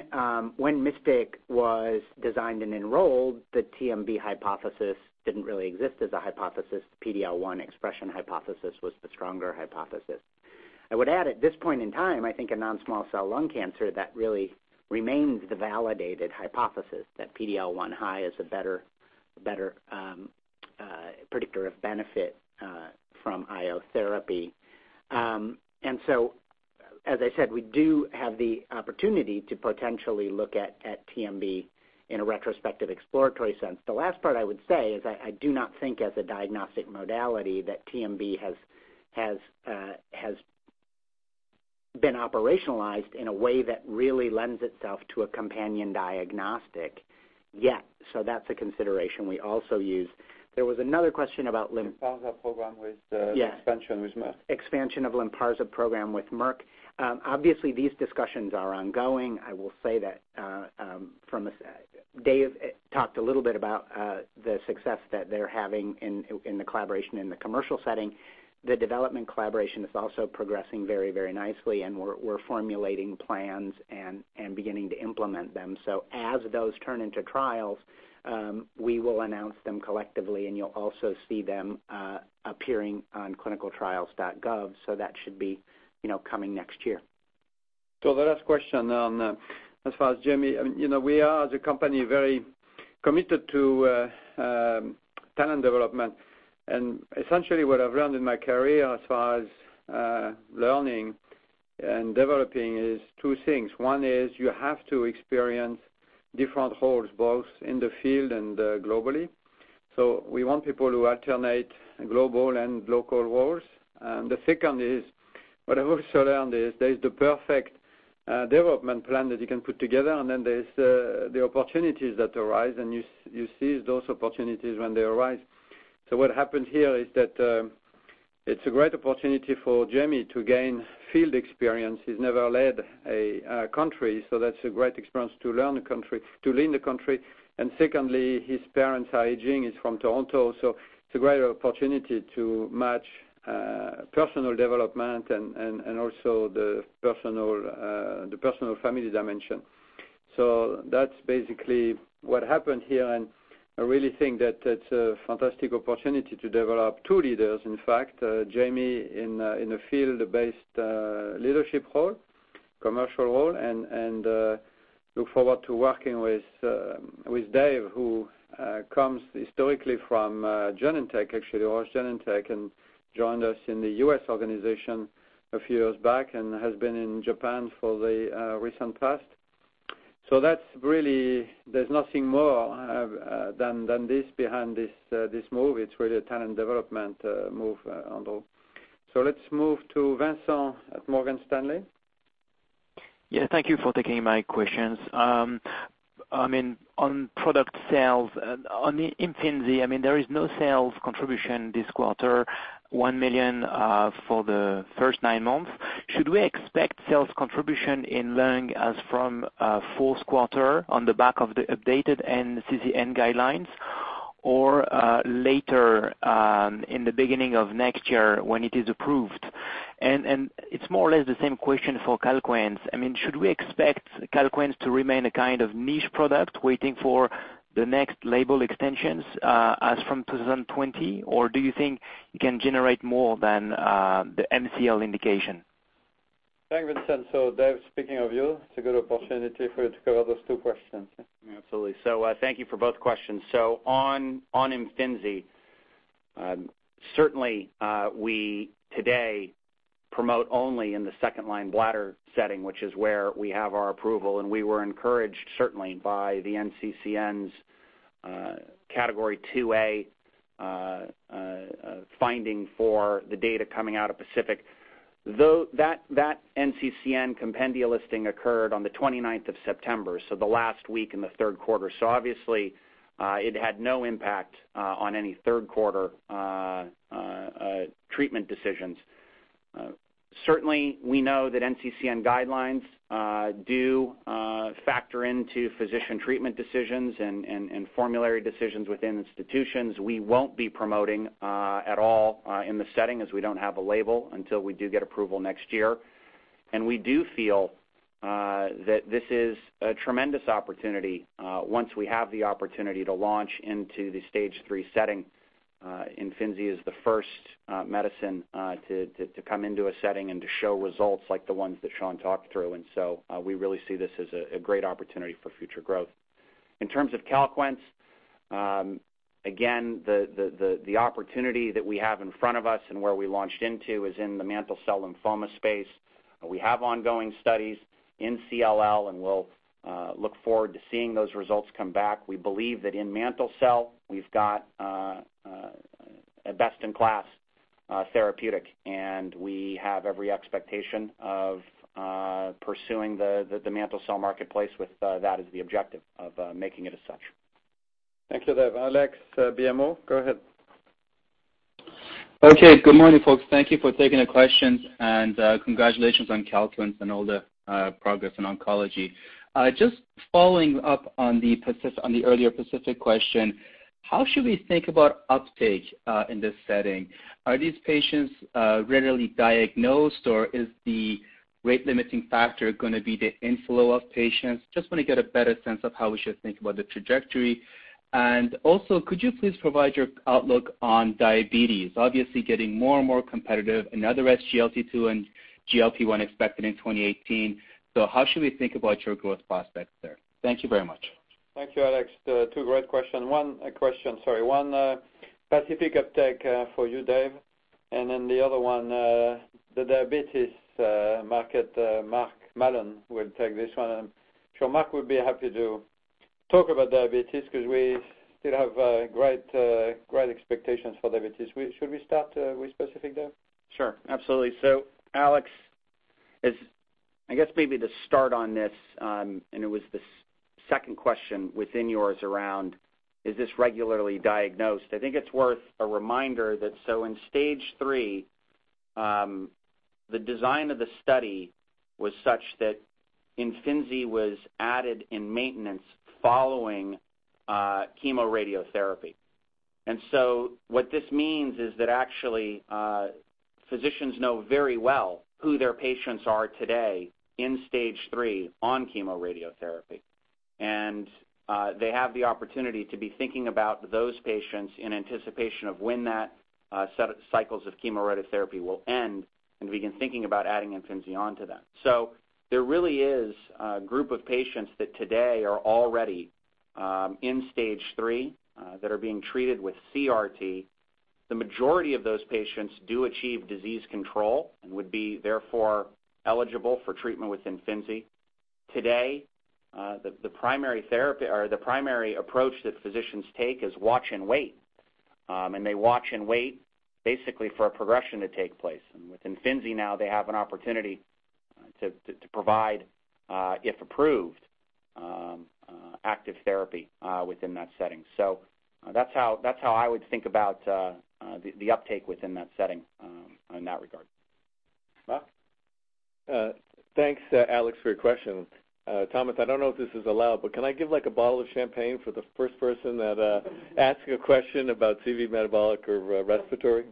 Speaker 6: when MYSTIC was designed and enrolled, the TMB hypothesis didn't really exist as a hypothesis. PD-L1 expression hypothesis was the stronger hypothesis. I would add at this point in time, I think in non-small cell lung cancer, that really remains the validated hypothesis, that PD-L1 high is a better predictor of benefit from IO therapy. As I said, we do have the opportunity to potentially look at TMB in a retrospective exploratory sense. The last part I would say is I do not think as a diagnostic modality that TMB has been operationalized in a way that really lends itself to a companion diagnostic yet. That's a consideration we also use. There was another question about.
Speaker 2: LYNPARZA program with the expansion with Merck.
Speaker 6: Expansion of LYNPARZA program with Merck. Obviously, these discussions are ongoing. I will say that Dave talked a little bit about the success that they're having in the collaboration in the commercial setting. The development collaboration is also progressing very nicely, and we're formulating plans and beginning to implement them. As those turn into trials, we will announce them collectively, and you'll also see them appearing on clinicaltrials.gov. That should be coming next year.
Speaker 2: The last question on, as far as Jamie, we are, as a company, very committed to talent development. Essentially what I've learned in my career as far as learning and developing is two things. One is you have to experience different roles, both in the field and globally. We want people who alternate global and local roles. The second is, what I've also learned is there is the perfect development plan that you can put together, and then there's the opportunities that arise, and you seize those opportunities when they arise. What happened here is that it's a great opportunity for Jamie to gain field experience. He's never led a country, so that's a great experience to learn the country, to lead the country. Secondly, his parents are aging. He's from Toronto, it's a great opportunity to match personal development and also the personal family dimension. That's basically what happened here, and I really think that it's a fantastic opportunity to develop two leaders. In fact, Jamie in a field-based leadership role, commercial role, and look forward to working with Dave, who comes historically from Genentech, actually was Genentech, and joined us in the U.S. organization a few years back and has been in Japan for the recent past. There's nothing more than this behind this move. It's really a talent development move. Let's move to Vincent at Morgan Stanley.
Speaker 11: Thank you for taking my questions. On product sales, on IMFINZI, there is no sales contribution this quarter, $1 million for the first nine months. Should we expect sales contribution in lung as from fourth quarter on the back of the updated NCCN guidelines, or later in the beginning of next year when it is approved? It's more or less the same question for CALQUENCE. Should we expect CALQUENCE to remain a kind of niche product waiting for the next label extensions as from 2020, or do you think it can generate more than the MCL indication?
Speaker 2: Thanks, Vincent. Dave, speaking of you, it's a good opportunity for you to cover those two questions.
Speaker 4: Absolutely. Thank you for both questions. On IMFINZI, certainly we today promote only in the second-line bladder setting, which is where we have our approval, and we were encouraged, certainly, by the NCCN's Category 2A finding for the data coming out of PACIFIC. That NCCN compendia listing occurred on the 29th of September, the last week in the third quarter. Obviously, it had no impact on any third quarter treatment decisions. Certainly, we know that NCCN guidelines do factor into physician treatment decisions and formulary decisions within institutions. We won't be promoting at all in the setting as we don't have a label until we do get approval next year. We do feel that this is a tremendous opportunity once we have the opportunity to launch into the Stage 3 setting. IMFINZI is the first medicine to come into a setting and to show results like the ones that Sean talked through. We really see this as a great opportunity for future growth. In terms of CALQUENCE, again, the opportunity that we have in front of us and where we launched into is in the Mantle cell lymphoma space. We have ongoing studies in CLL, and we'll look forward to seeing those results come back. We believe that in Mantle cell, we've got a best-in-class therapeutic, and we have every expectation of pursuing the Mantle cell marketplace with that as the objective of making it as such.
Speaker 2: Thank you, Dave. Alex, BMO, go ahead.
Speaker 12: Okay. Good morning, folks. Thank you for taking the questions. Congratulations on Calquence and all the progress in oncology. Just following up on the earlier PACIFIC question, how should we think about uptake in this setting? Are these patients rarely diagnosed, or is the rate-limiting factor going to be the inflow of patients? Just want to get a better sense of how we should think about the trajectory. Also, could you please provide your outlook on diabetes? Obviously, getting more and more competitive, another SGLT2 and GLP-1 expected in 2018. How should we think about your growth prospects there? Thank you very much.
Speaker 2: Thank you, Alex. Two great question, one, PACIFIC uptake for you, Dave. The other one, the diabetes market, Mark Mallon will take this one. I'm sure Mark would be happy to talk about diabetes because we still have great expectations for diabetes. Should we start with PACIFIC, Dave?
Speaker 4: Sure, absolutely. Alex, I guess maybe to start on this. It was the second question within yours around, is this regularly diagnosed? I think it's worth a reminder that in Stage 3, the design of the study was such that IMFINZI was added in maintenance following chemoradiotherapy. What this means is that actually, physicians know very well who their patients are today in Stage 3 on chemoradiotherapy. They have the opportunity to be thinking about those patients in anticipation of when that cycles of chemotherapy will end and begin thinking about adding IMFINZI onto that. There really is a group of patients that today are already in stage 3 that are being treated with CRT. The majority of those patients do achieve disease control and would be therefore eligible for treatment with IMFINZI. Today, the primary therapy or the primary approach that physicians take is watch and wait. They watch and wait basically for a progression to take place. With IMFINZI now they have an opportunity to provide, if approved, active therapy within that setting. That's how I would think about the uptake within that setting in that regard. Mark?
Speaker 3: Thanks, Alex, for your question. Thomas, I don't know if this is allowed, but can I give like a bottle of champagne for the first person that asks you a question about CV metabolic or respiratory?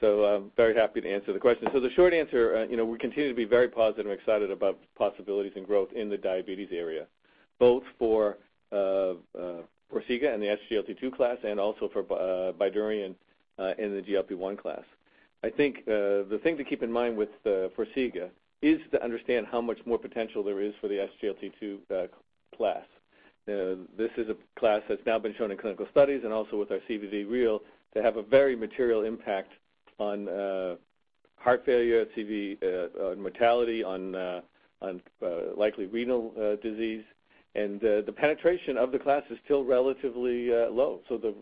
Speaker 3: Very happy to answer the question. The short answer, we continue to be very positive and excited about possibilities and growth in the diabetes area, both for Farxiga and the SGLT2 class and also for Bydureon in the GLP-1 class. I think the thing to keep in mind with Farxiga is to understand how much more potential there is for the SGLT2 class. This is a class that's now been shown in clinical studies and also with our CVD-REAL to have a very material impact on heart failure, CV mortality, on likely renal disease, and the penetration of the class is still relatively low. The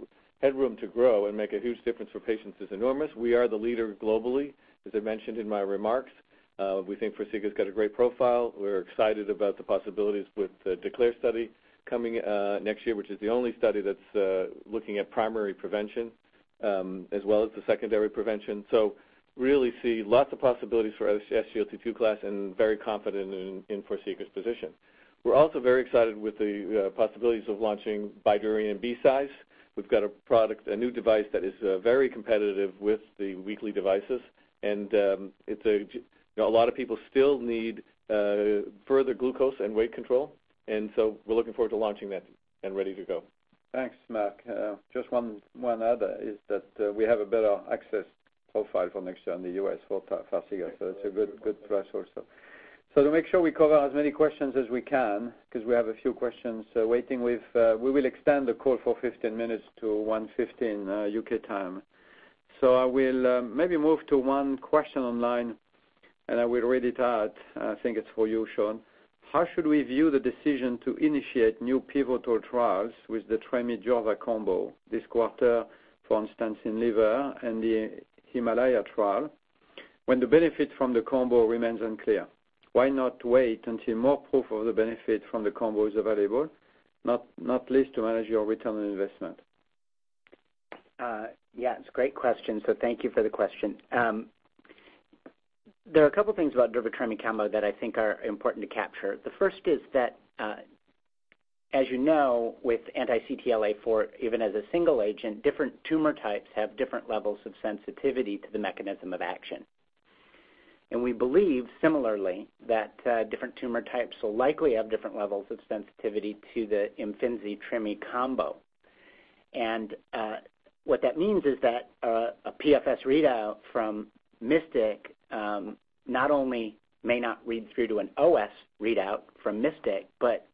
Speaker 3: headroom to grow and make a huge difference for patients is enormous. We are the leader globally. As I mentioned in my remarks, we think Farxiga's got a great profile. We're excited about the possibilities with the DECLARE study coming next year, which is the only study that's looking at primary prevention as well as the secondary prevention. Really see lots of possibilities for SGLT2 class and very confident in Farxiga's position. We're also very excited with the possibilities of launching Bydureon BCise. We've got a product, a new device that is very competitive with the weekly devices and a lot of people still need further glucose and weight control, we're looking forward to launching that and ready to go.
Speaker 2: Thanks, Mac. Just one other is that we have a better access profile for next year in the U.S. for Farxiga. It's a good threshold. To make sure we cover as many questions as we can, because we have a few questions waiting, we will extend the call for 15 minutes to 1:15 U.K. time. I will maybe move to one question online, and I will read it out. I think it's for you, Sean. How should we view the decision to initiate new pivotal trials with the durva/tremi combo this quarter, for instance, in liver and the HIMALAYA trial, when the benefit from the combo remains unclear? Why not wait until more proof of the benefit from the combo is available, not least to manage your return on investment?
Speaker 6: Yeah, it's a great question. Thank you for the question. There are a couple things about durva/tremi combo that I think are important to capture. The first is as you know, with anti-CTLA-4, even as a single agent, different tumor types have different levels of sensitivity to the mechanism of action. We believe similarly, different tumor types will likely have different levels of sensitivity to the IMFINZI/tremi combo. What that means is a PFS readout from MYSTIC not only may not read through to an OS readout from MYSTIC, but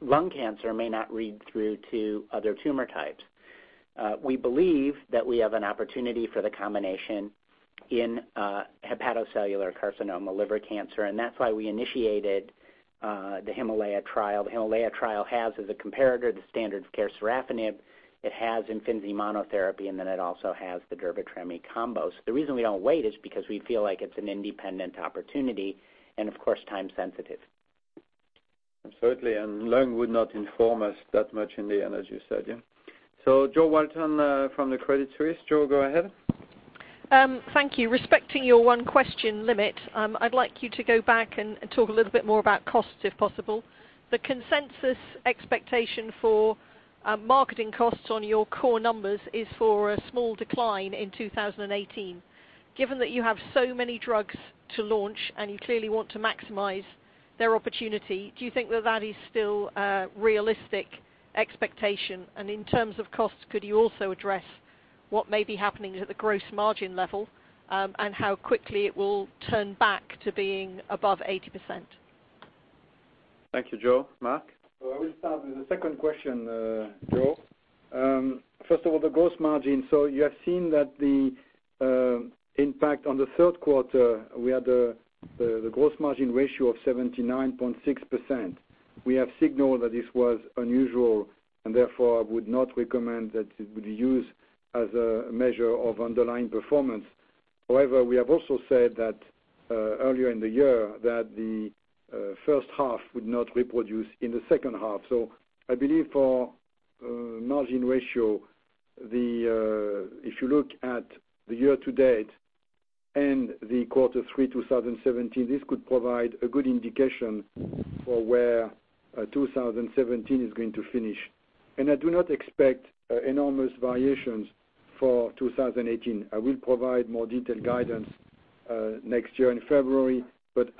Speaker 6: lung cancer may not read through to other tumor types. We believe we have an opportunity for the combination in hepatocellular carcinoma liver cancer. That's why we initiated the HIMALAYA trial. The HIMALAYA trial has as a comparator, the standard of care, sorafenib. It has Imfinzi monotherapy. It has the durva/tremi combo. The reason we don't wait is because we feel like it's an independent opportunity, time sensitive.
Speaker 2: Absolutely. Lung would not inform us that much in the end, as you said, yeah. Jo Walton from the Credit Suisse. Jo, go ahead.
Speaker 13: Thank you. Respecting your one-question limit, I'd like you to go back and talk a little bit more about costs, if possible. The consensus expectation for marketing costs on your core numbers is for a small decline in 2018. Given you have so many drugs to launch and you clearly want to maximize their opportunity, do you think it is still a realistic expectation? In terms of costs, could you also address what may be happening at the gross margin level and how quickly it will turn back to being above 80%?
Speaker 2: Thank you, Jo. Marc?
Speaker 5: I will start with the second question, Jo. First of all, the gross margin. You have seen that the impact on the third quarter, we had the gross margin ratio of 79.6%. We have signaled that this was unusual and therefore would not recommend that it would be used as a measure of underlying performance. However, we have also said that earlier in the year that the first half would not reproduce in the second half. I believe for margin ratio, if you look at the year to date and the quarter 3 2017, this could provide a good indication for where 2017 is going to finish. I do not expect enormous variations for 2018. I will provide more detailed guidance Next year in February.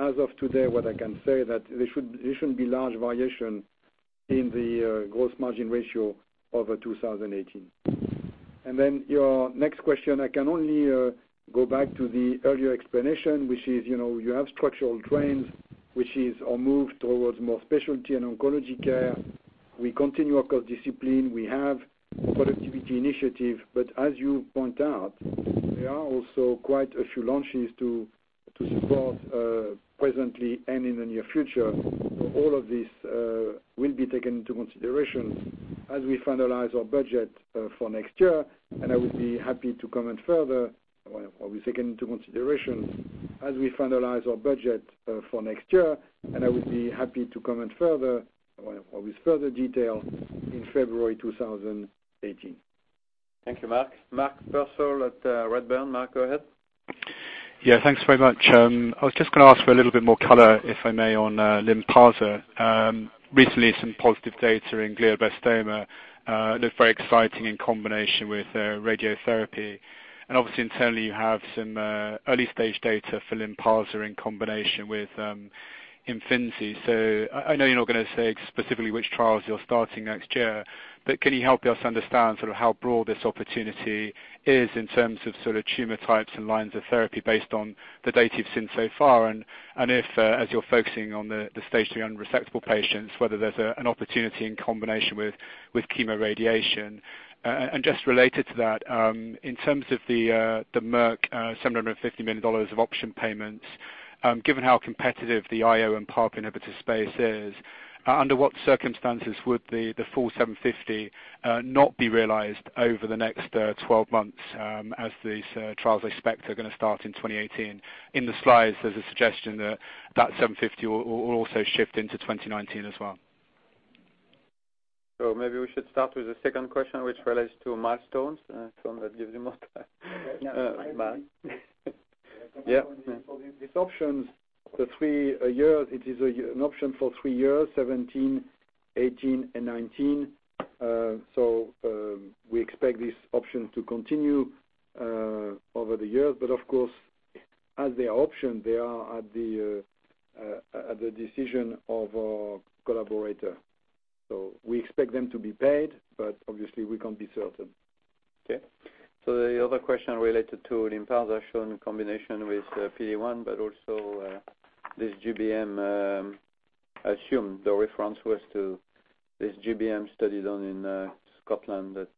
Speaker 5: As of today, what I can say that there shouldn't be large variation in the gross margin ratio over 2018. Then your next question, I can only go back to the earlier explanation, which is, you have structural trends, which is our move towards more specialty and Oncology care. We continue our cost discipline. We have productivity initiative, but as you point out, there are also quite a few launches to support presently and in the near future. All of this will be taken into consideration as we finalize our budget for next year, and I would be happy to comment further or with further detail in February 2018.
Speaker 2: Thank you, Marc. Mark Purcell at Redburn. Mark, go ahead.
Speaker 14: Yeah, thanks very much. I was just going to ask for a little bit more color, if I may, on LYNPARZA. Recently, some positive data in glioblastoma looked very exciting in combination with radiotherapy. Obviously internally, you have some early-stage data for LYNPARZA in combination with IMFINZI. I know you're not going to say specifically which trials you're starting next year, but can you help us understand sort of how broad this opportunity is in terms of sort of tumor types and lines of therapy based on the data you've seen so far? If, as you're focusing on the stage 3 unresectable patients, whether there's an opportunity in combination with chemoradiation. Just related to that, in terms of the Merck $750 million of option payments, given how competitive the IO and PARP inhibitor space is, under what circumstances would the full $750 million not be realized over the next 12 months, as these trials, I expect, are going to start in 2018? In the slides, there's a suggestion that that $750 million will also shift into 2019 as well.
Speaker 2: Maybe we should start with the second question, which relates to milestones. Sean, that gives you more time.
Speaker 5: Okay. Yeah.
Speaker 2: Marc. Yeah.
Speaker 5: These options, it is an option for three years, 2017, 2018, and 2019. We expect these options to continue over the years. Of course, as they are option, they are at the decision of our collaborator. We expect them to be paid, but obviously we can't be certain.
Speaker 2: Okay. The other question related to LYNPARZA shown in combination with PD-1, but also this GBM, I assume the reference was to this GBM study done in Scotland that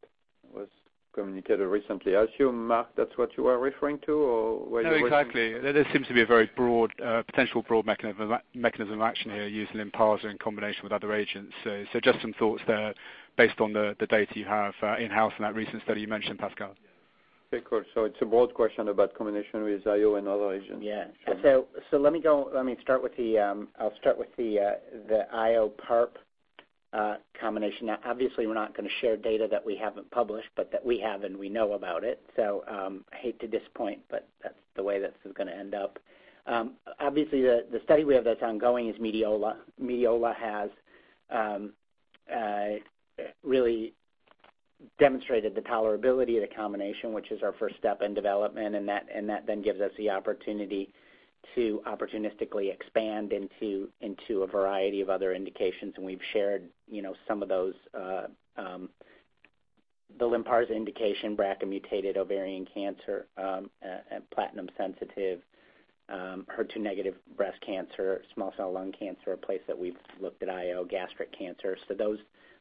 Speaker 2: was communicated recently. I assume, Marc, that's what you are referring to?
Speaker 14: No, exactly. There seems to be a very potential broad mechanism in action here, use LYNPARZA in combination with other agents. Just some thoughts there based on the data you have in-house and that recent study you mentioned, Pascal.
Speaker 2: Okay, cool. It's a broad question about combination with IO and other agents.
Speaker 5: Yeah.
Speaker 2: Sean.
Speaker 6: I'll start with the IO PARP combination. Obviously, we're not going to share data that we haven't published, but that we have, and we know about it. I hate to disappoint, but that's the way this is going to end up. Obviously, the study we have that's ongoing is MEDIOLA. MEDIOLA has really demonstrated the tolerability of the combination, which is our first step in development, and that then gives us the opportunity to opportunistically expand into a variety of other indications, and we've shared some of those. The LYNPARZA indication, BRCA-mutated ovarian cancer, platinum sensitive HER2 negative breast cancer, small cell lung cancer, a place that we've looked at IO, gastric cancer.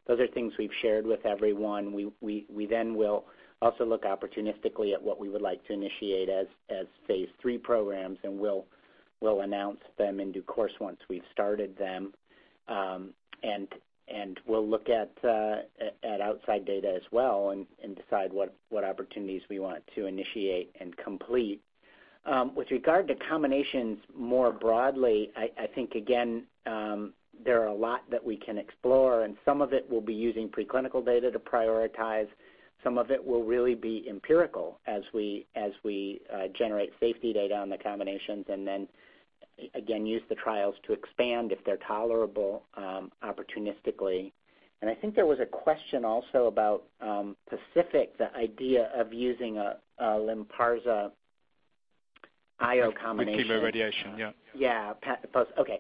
Speaker 6: Those are things we've shared with everyone. We will also look opportunistically at what we would like to initiate as phase III programs, and we'll announce them in due course once we've started them. We'll look at outside data as well and decide what opportunities we want to initiate and complete. With regard to combinations more broadly, I think, again, there are a lot that we can explore, some of it will be using preclinical data to prioritize. Some of it will really be empirical as we generate safety data on the combinations then again, use the trials to expand if they're tolerable opportunistically. I think there was a question also about PACIFIC, the idea of using a LYNPARZA IO combination-
Speaker 2: With chemoradiation, yeah.
Speaker 6: Yeah. Okay.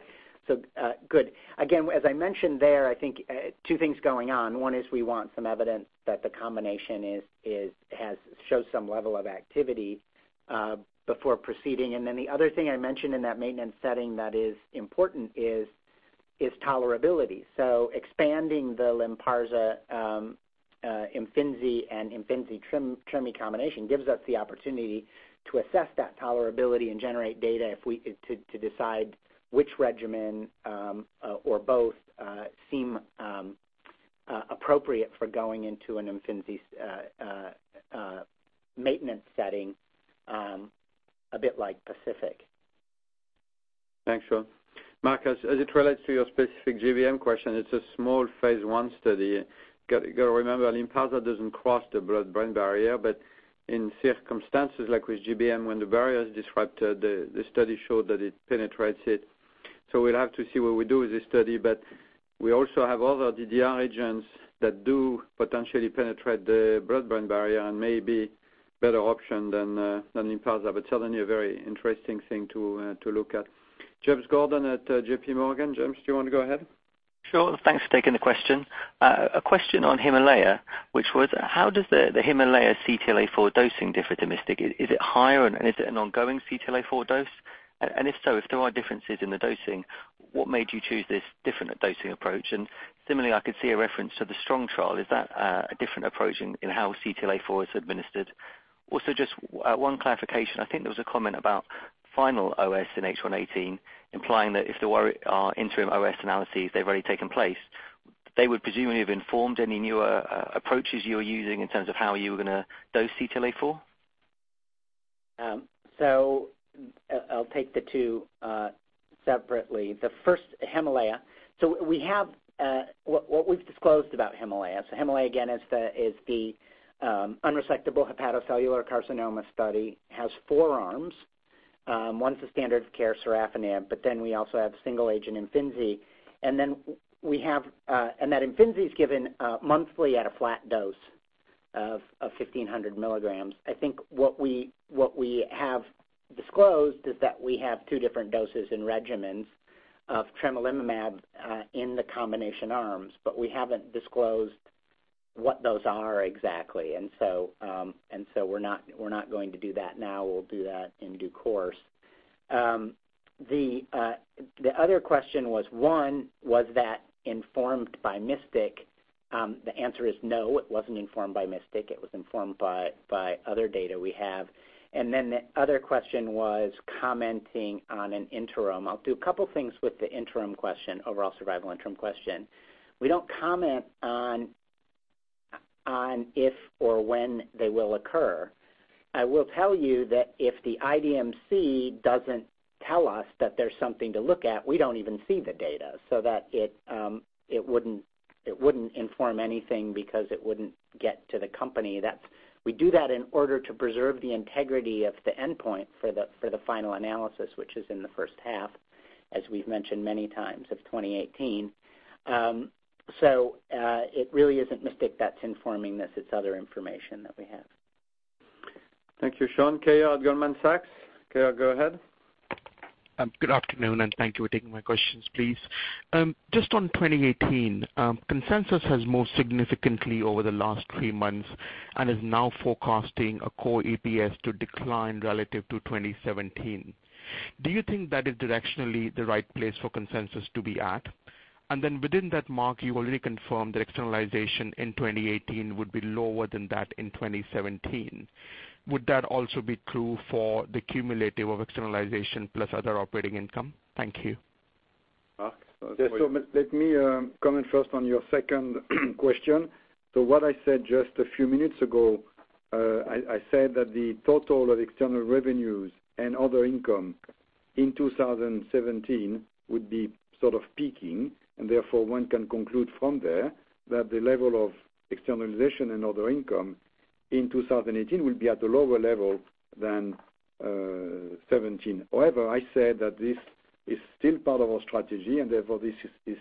Speaker 6: Good. Again, as I mentioned there, I think two things going on. One is we want some evidence that the combination shows some level of activity before proceeding. The other thing I mentioned in that maintenance setting that is important is tolerability. Expanding the LYNPARZA, IMFINZI, and IMFINZI/trim combination gives us the opportunity to assess that tolerability and generate data to decide which regimen or both seem appropriate for going into an IMFINZI maintenance setting, a bit like PACIFIC.
Speaker 2: Thanks, Sean. Marc, as it relates to your specific GBM question, it's a small phase I study. Got to remember, LYNPARZA doesn't cross the blood-brain barrier, but in circumstances like with GBM, when the barrier is disrupted, the study showed that it penetrates it. We'll have to see what we do with this study, but we also have other DDR agents that do potentially penetrate the blood-brain barrier and may be a better option than LYNPARZA. Certainly a very interesting thing to look at. James Gordon at JPMorgan. James, do you want to go ahead?
Speaker 15: Sure. Thanks for taking the question. A question on HIMALAYA, which was, how does the HIMALAYA CTLA-4 dosing differ to MYSTIC? Is it higher? Is it an ongoing CTLA-4 dose? If so, if there are differences in the dosing, what made you choose this different dosing approach? Similarly, I could see a reference to the STRONG trial. Is that a different approach in how CTLA-4 is administered? Also, just one clarification. I think there was a comment about final OS in H1 2018 implying that if there were interim OS analyses, they've already taken place. They would presumably have informed any newer approaches you're using in terms of how you were going to dose CTLA-4.
Speaker 6: I'll take the two separately. The first, HIMALAYA. What we've disclosed about HIMALAYA. HIMALAYA, again, is the unresectable hepatocellular carcinoma study, has four arms. One's the standard of care, sorafenib. We also have single agent IMFINZI. That IMFINZI is given monthly at a flat dose of 1,500 milligrams. I think what we have disclosed is that we have two different doses and regimens of tremelimumab in the combination arms, but we haven't disclosed what those are exactly. We're not going to do that now. We'll do that in due course. The other question was, one, was that informed by MYSTIC? The answer is no, it wasn't informed by MYSTIC. It was informed by other data we have. The other question was commenting on an interim. I'll do a couple of things with the interim question, overall survival interim question. We don't comment on if or when they will occur. I will tell you that if the IDMC doesn't tell us that there's something to look at, we don't even see the data. That it wouldn't inform anything because it wouldn't get to the company. We do that in order to preserve the integrity of the endpoint for the final analysis, which is in the first half, as we've mentioned many times, of 2018. It really isn't MYSTIC that's informing this. It's other information that we have.
Speaker 2: Thank you, Sean. Keyur at Goldman Sachs. Keyur, go ahead.
Speaker 16: Good afternoon. Thank you for taking my questions, please. Just on 2018, consensus has moved significantly over the last three months and is now forecasting a core EPS to decline relative to 2017. Do you think that is directionally the right place for consensus to be at? Within that, Marc, you already confirmed that externalization in 2018 would be lower than that in 2017. Would that also be true for the cumulative of externalization plus other operating income? Thank you.
Speaker 2: Marc?
Speaker 5: Yes. Let me comment first on your second question. What I said just a few minutes ago, I said that the total of external revenues and other income in 2017 would be sort of peaking, and therefore one can conclude from there that the level of externalization and other income in 2018 will be at a lower level than 2017. However, I said that this is still part of our strategy. Therefore this is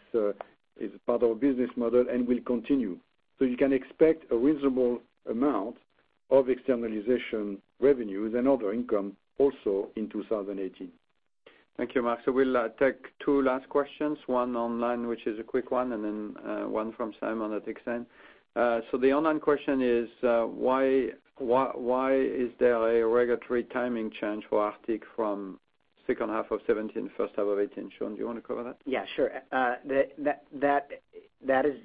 Speaker 5: part of our business model and will continue. You can expect a reasonable amount of externalization revenues and other income also in 2018.
Speaker 2: Thank you, Marc. We'll take two last questions, one online, which is a quick one, and then one from Simon at Exane. The online question is why is there a regulatory timing change for ARCTIC from second half of 2017, first half of 2018? Sean, do you want to cover that?
Speaker 6: Yeah, sure. That is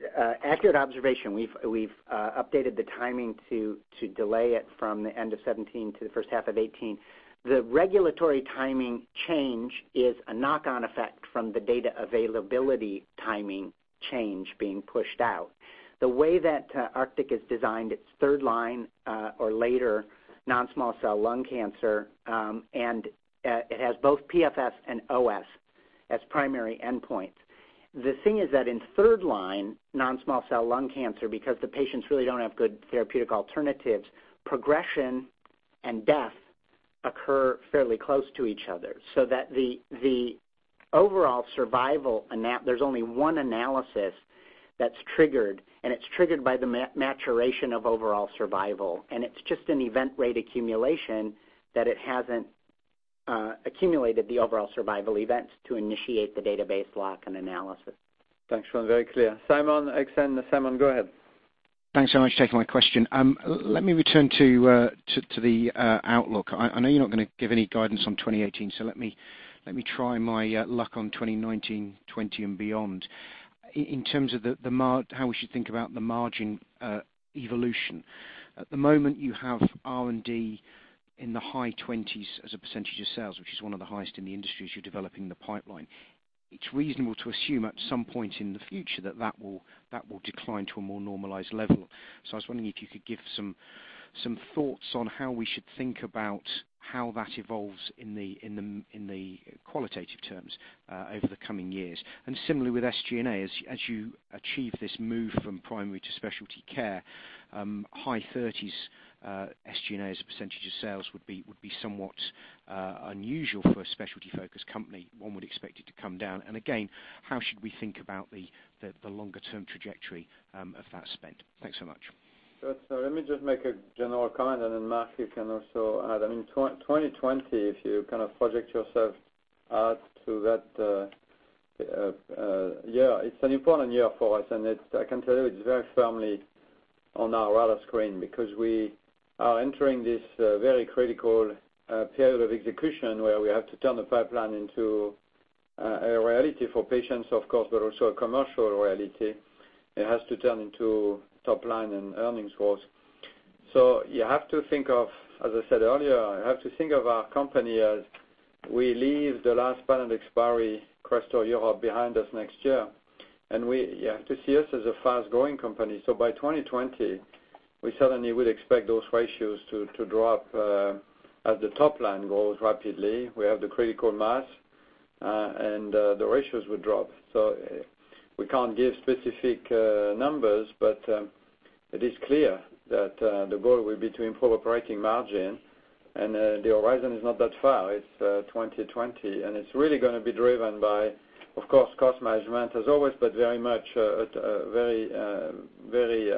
Speaker 6: accurate observation. We've updated the timing to delay it from the end of 2017 to the first half of 2018. The regulatory timing change is a knock-on effect from the data availability timing change being pushed out. The way that ARCTIC is designed, it's third line or later non-small cell lung cancer, and it has both PFS and OS as primary endpoints. The thing is that in third line non-small cell lung cancer, because the patients really don't have good therapeutic alternatives, progression and death occur fairly close to each other. That the overall survival, there's only one analysis that's triggered, and it's triggered by the maturation of overall survival. It's just an event rate accumulation that it hasn't accumulated the overall survival events to initiate the database lock and analysis.
Speaker 2: Thanks, Sean. Very clear. Simon, Exane. Simon, go ahead.
Speaker 17: Thanks so much for taking my question. Let me return to the outlook. I know you're not going to give any guidance on 2018, let me try my luck on 2019, 2020 and beyond. In terms of how we should think about the margin evolution. At the moment, you have R&D in the high 20s as a percentage of sales, which is one of the highest in the industry as you're developing the pipeline. It's reasonable to assume at some point in the future that that will decline to a more normalized level. I was wondering if you could give some Some thoughts on how we should think about how that evolves in the qualitative terms over the coming years. Similarly with SG&A, as you achieve this move from primary to specialty care, high 30s SG&A as a percentage of sales would be somewhat unusual for a specialty-focused company. One would expect it to come down. Again, how should we think about the longer-term trajectory of that spend? Thanks so much.
Speaker 2: Sure. Let me just make a general comment, and then Marc, you can also add. In 2020, if you project yourself out to that year, it's an important year for us. I can tell you, it's very firmly on our radar screen because we are entering this very critical period of execution where we have to turn the pipeline into a reality for patients, of course, but also a commercial reality. It has to turn into top line and earnings growth. You have to think of, as I said earlier, you have to think of our company as we leave the last patent expiry, CRESTOR Europe, behind us next year. You have to see us as a fast-growing company. By 2020, we certainly would expect those ratios to drop as the top line grows rapidly. We have the critical mass, and the ratios would drop. We can't give specific numbers, but it is clear that the goal will be to improve operating margin, and the horizon is not that far. It's 2020. It's really going to be driven by, of course, cost management as always, but very much at a very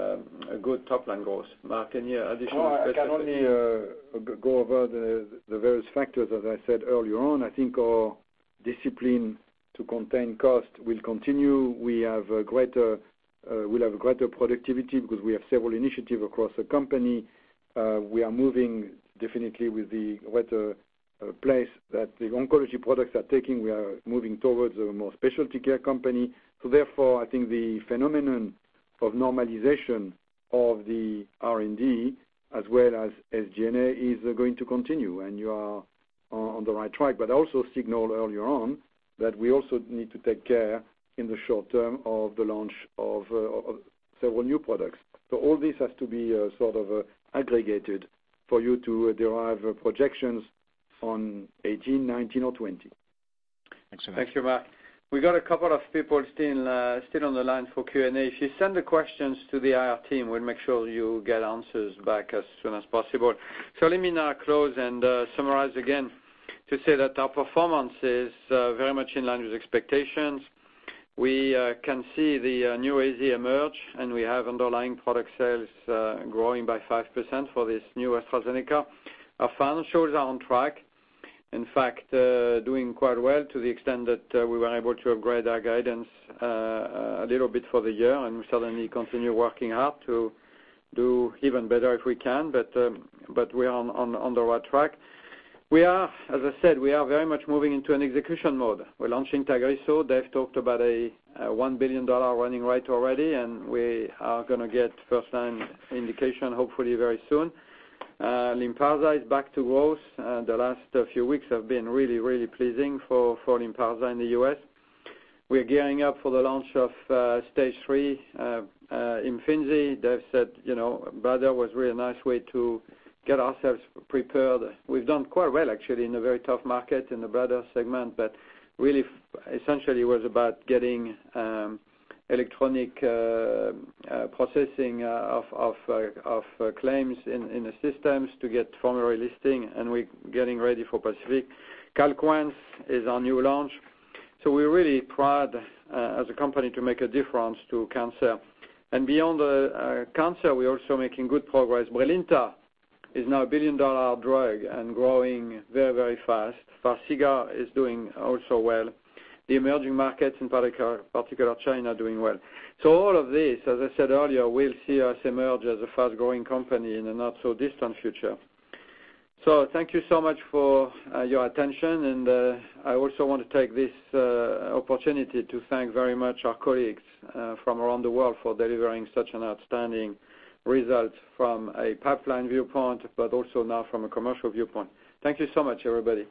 Speaker 2: good top-line growth. Marc, any additional perspective?
Speaker 5: No, I can only go over the various factors, as I said earlier on. I think our discipline to contain cost will continue. We'll have greater productivity because we have several initiatives across the company. We are moving definitely with the right place that the oncology products are taking. We are moving towards a more specialty care company. Therefore, I think the phenomenon of normalization of the R&D as well as SG&A is going to continue, and you are on the right track. I also signaled earlier on that we also need to take care in the short term of the launch of several new products. All this has to be sort of aggregated for you to derive projections on 2018, 2019, or 2020.
Speaker 17: Thanks so much.
Speaker 2: Thank you, Marc. We got a couple of people still on the line for Q&A. If you send the questions to the IR team, we'll make sure you get answers back as soon as possible. Let me now close and summarize again to say that our performance is very much in line with expectations. We can see the new AZ emerge, and we have underlying product sales growing by 5% for this new AstraZeneca. Our financials are on track. In fact, doing quite well to the extent that we were able to upgrade our guidance a little bit for the year. We certainly continue working hard to do even better if we can, but we are on the right track. As I said, we are very much moving into an execution mode. We're launching TAGRISSO. Dave talked about a $1 billion running rate already. We are going to get first-line indication hopefully very soon. LYNPARZA is back to growth. The last few weeks have been really pleasing for LYNPARZA in the U.S. We're gearing up for the launch of stage 3 IMFINZI. Dave said BLA was a really nice way to get ourselves prepared. We've done quite well, actually, in a very tough market in the BLA segment, but really essentially was about getting electronic processing of claims in the systems to get formulary listing. We're getting ready for PACIFIC. Calquence is our new launch. We're really proud as a company to make a difference to cancer. Beyond cancer, we're also making good progress. FARXIGA is doing also well. The emerging markets, in particular China, are doing well. All of this, as I said earlier, will see us emerge as a fast-growing company in the not-so-distant future. Thank you so much for your attention. I also want to take this opportunity to thank very much our colleagues from around the world for delivering such an outstanding result from a pipeline viewpoint, but also now from a commercial viewpoint. Thank you so much, everybody.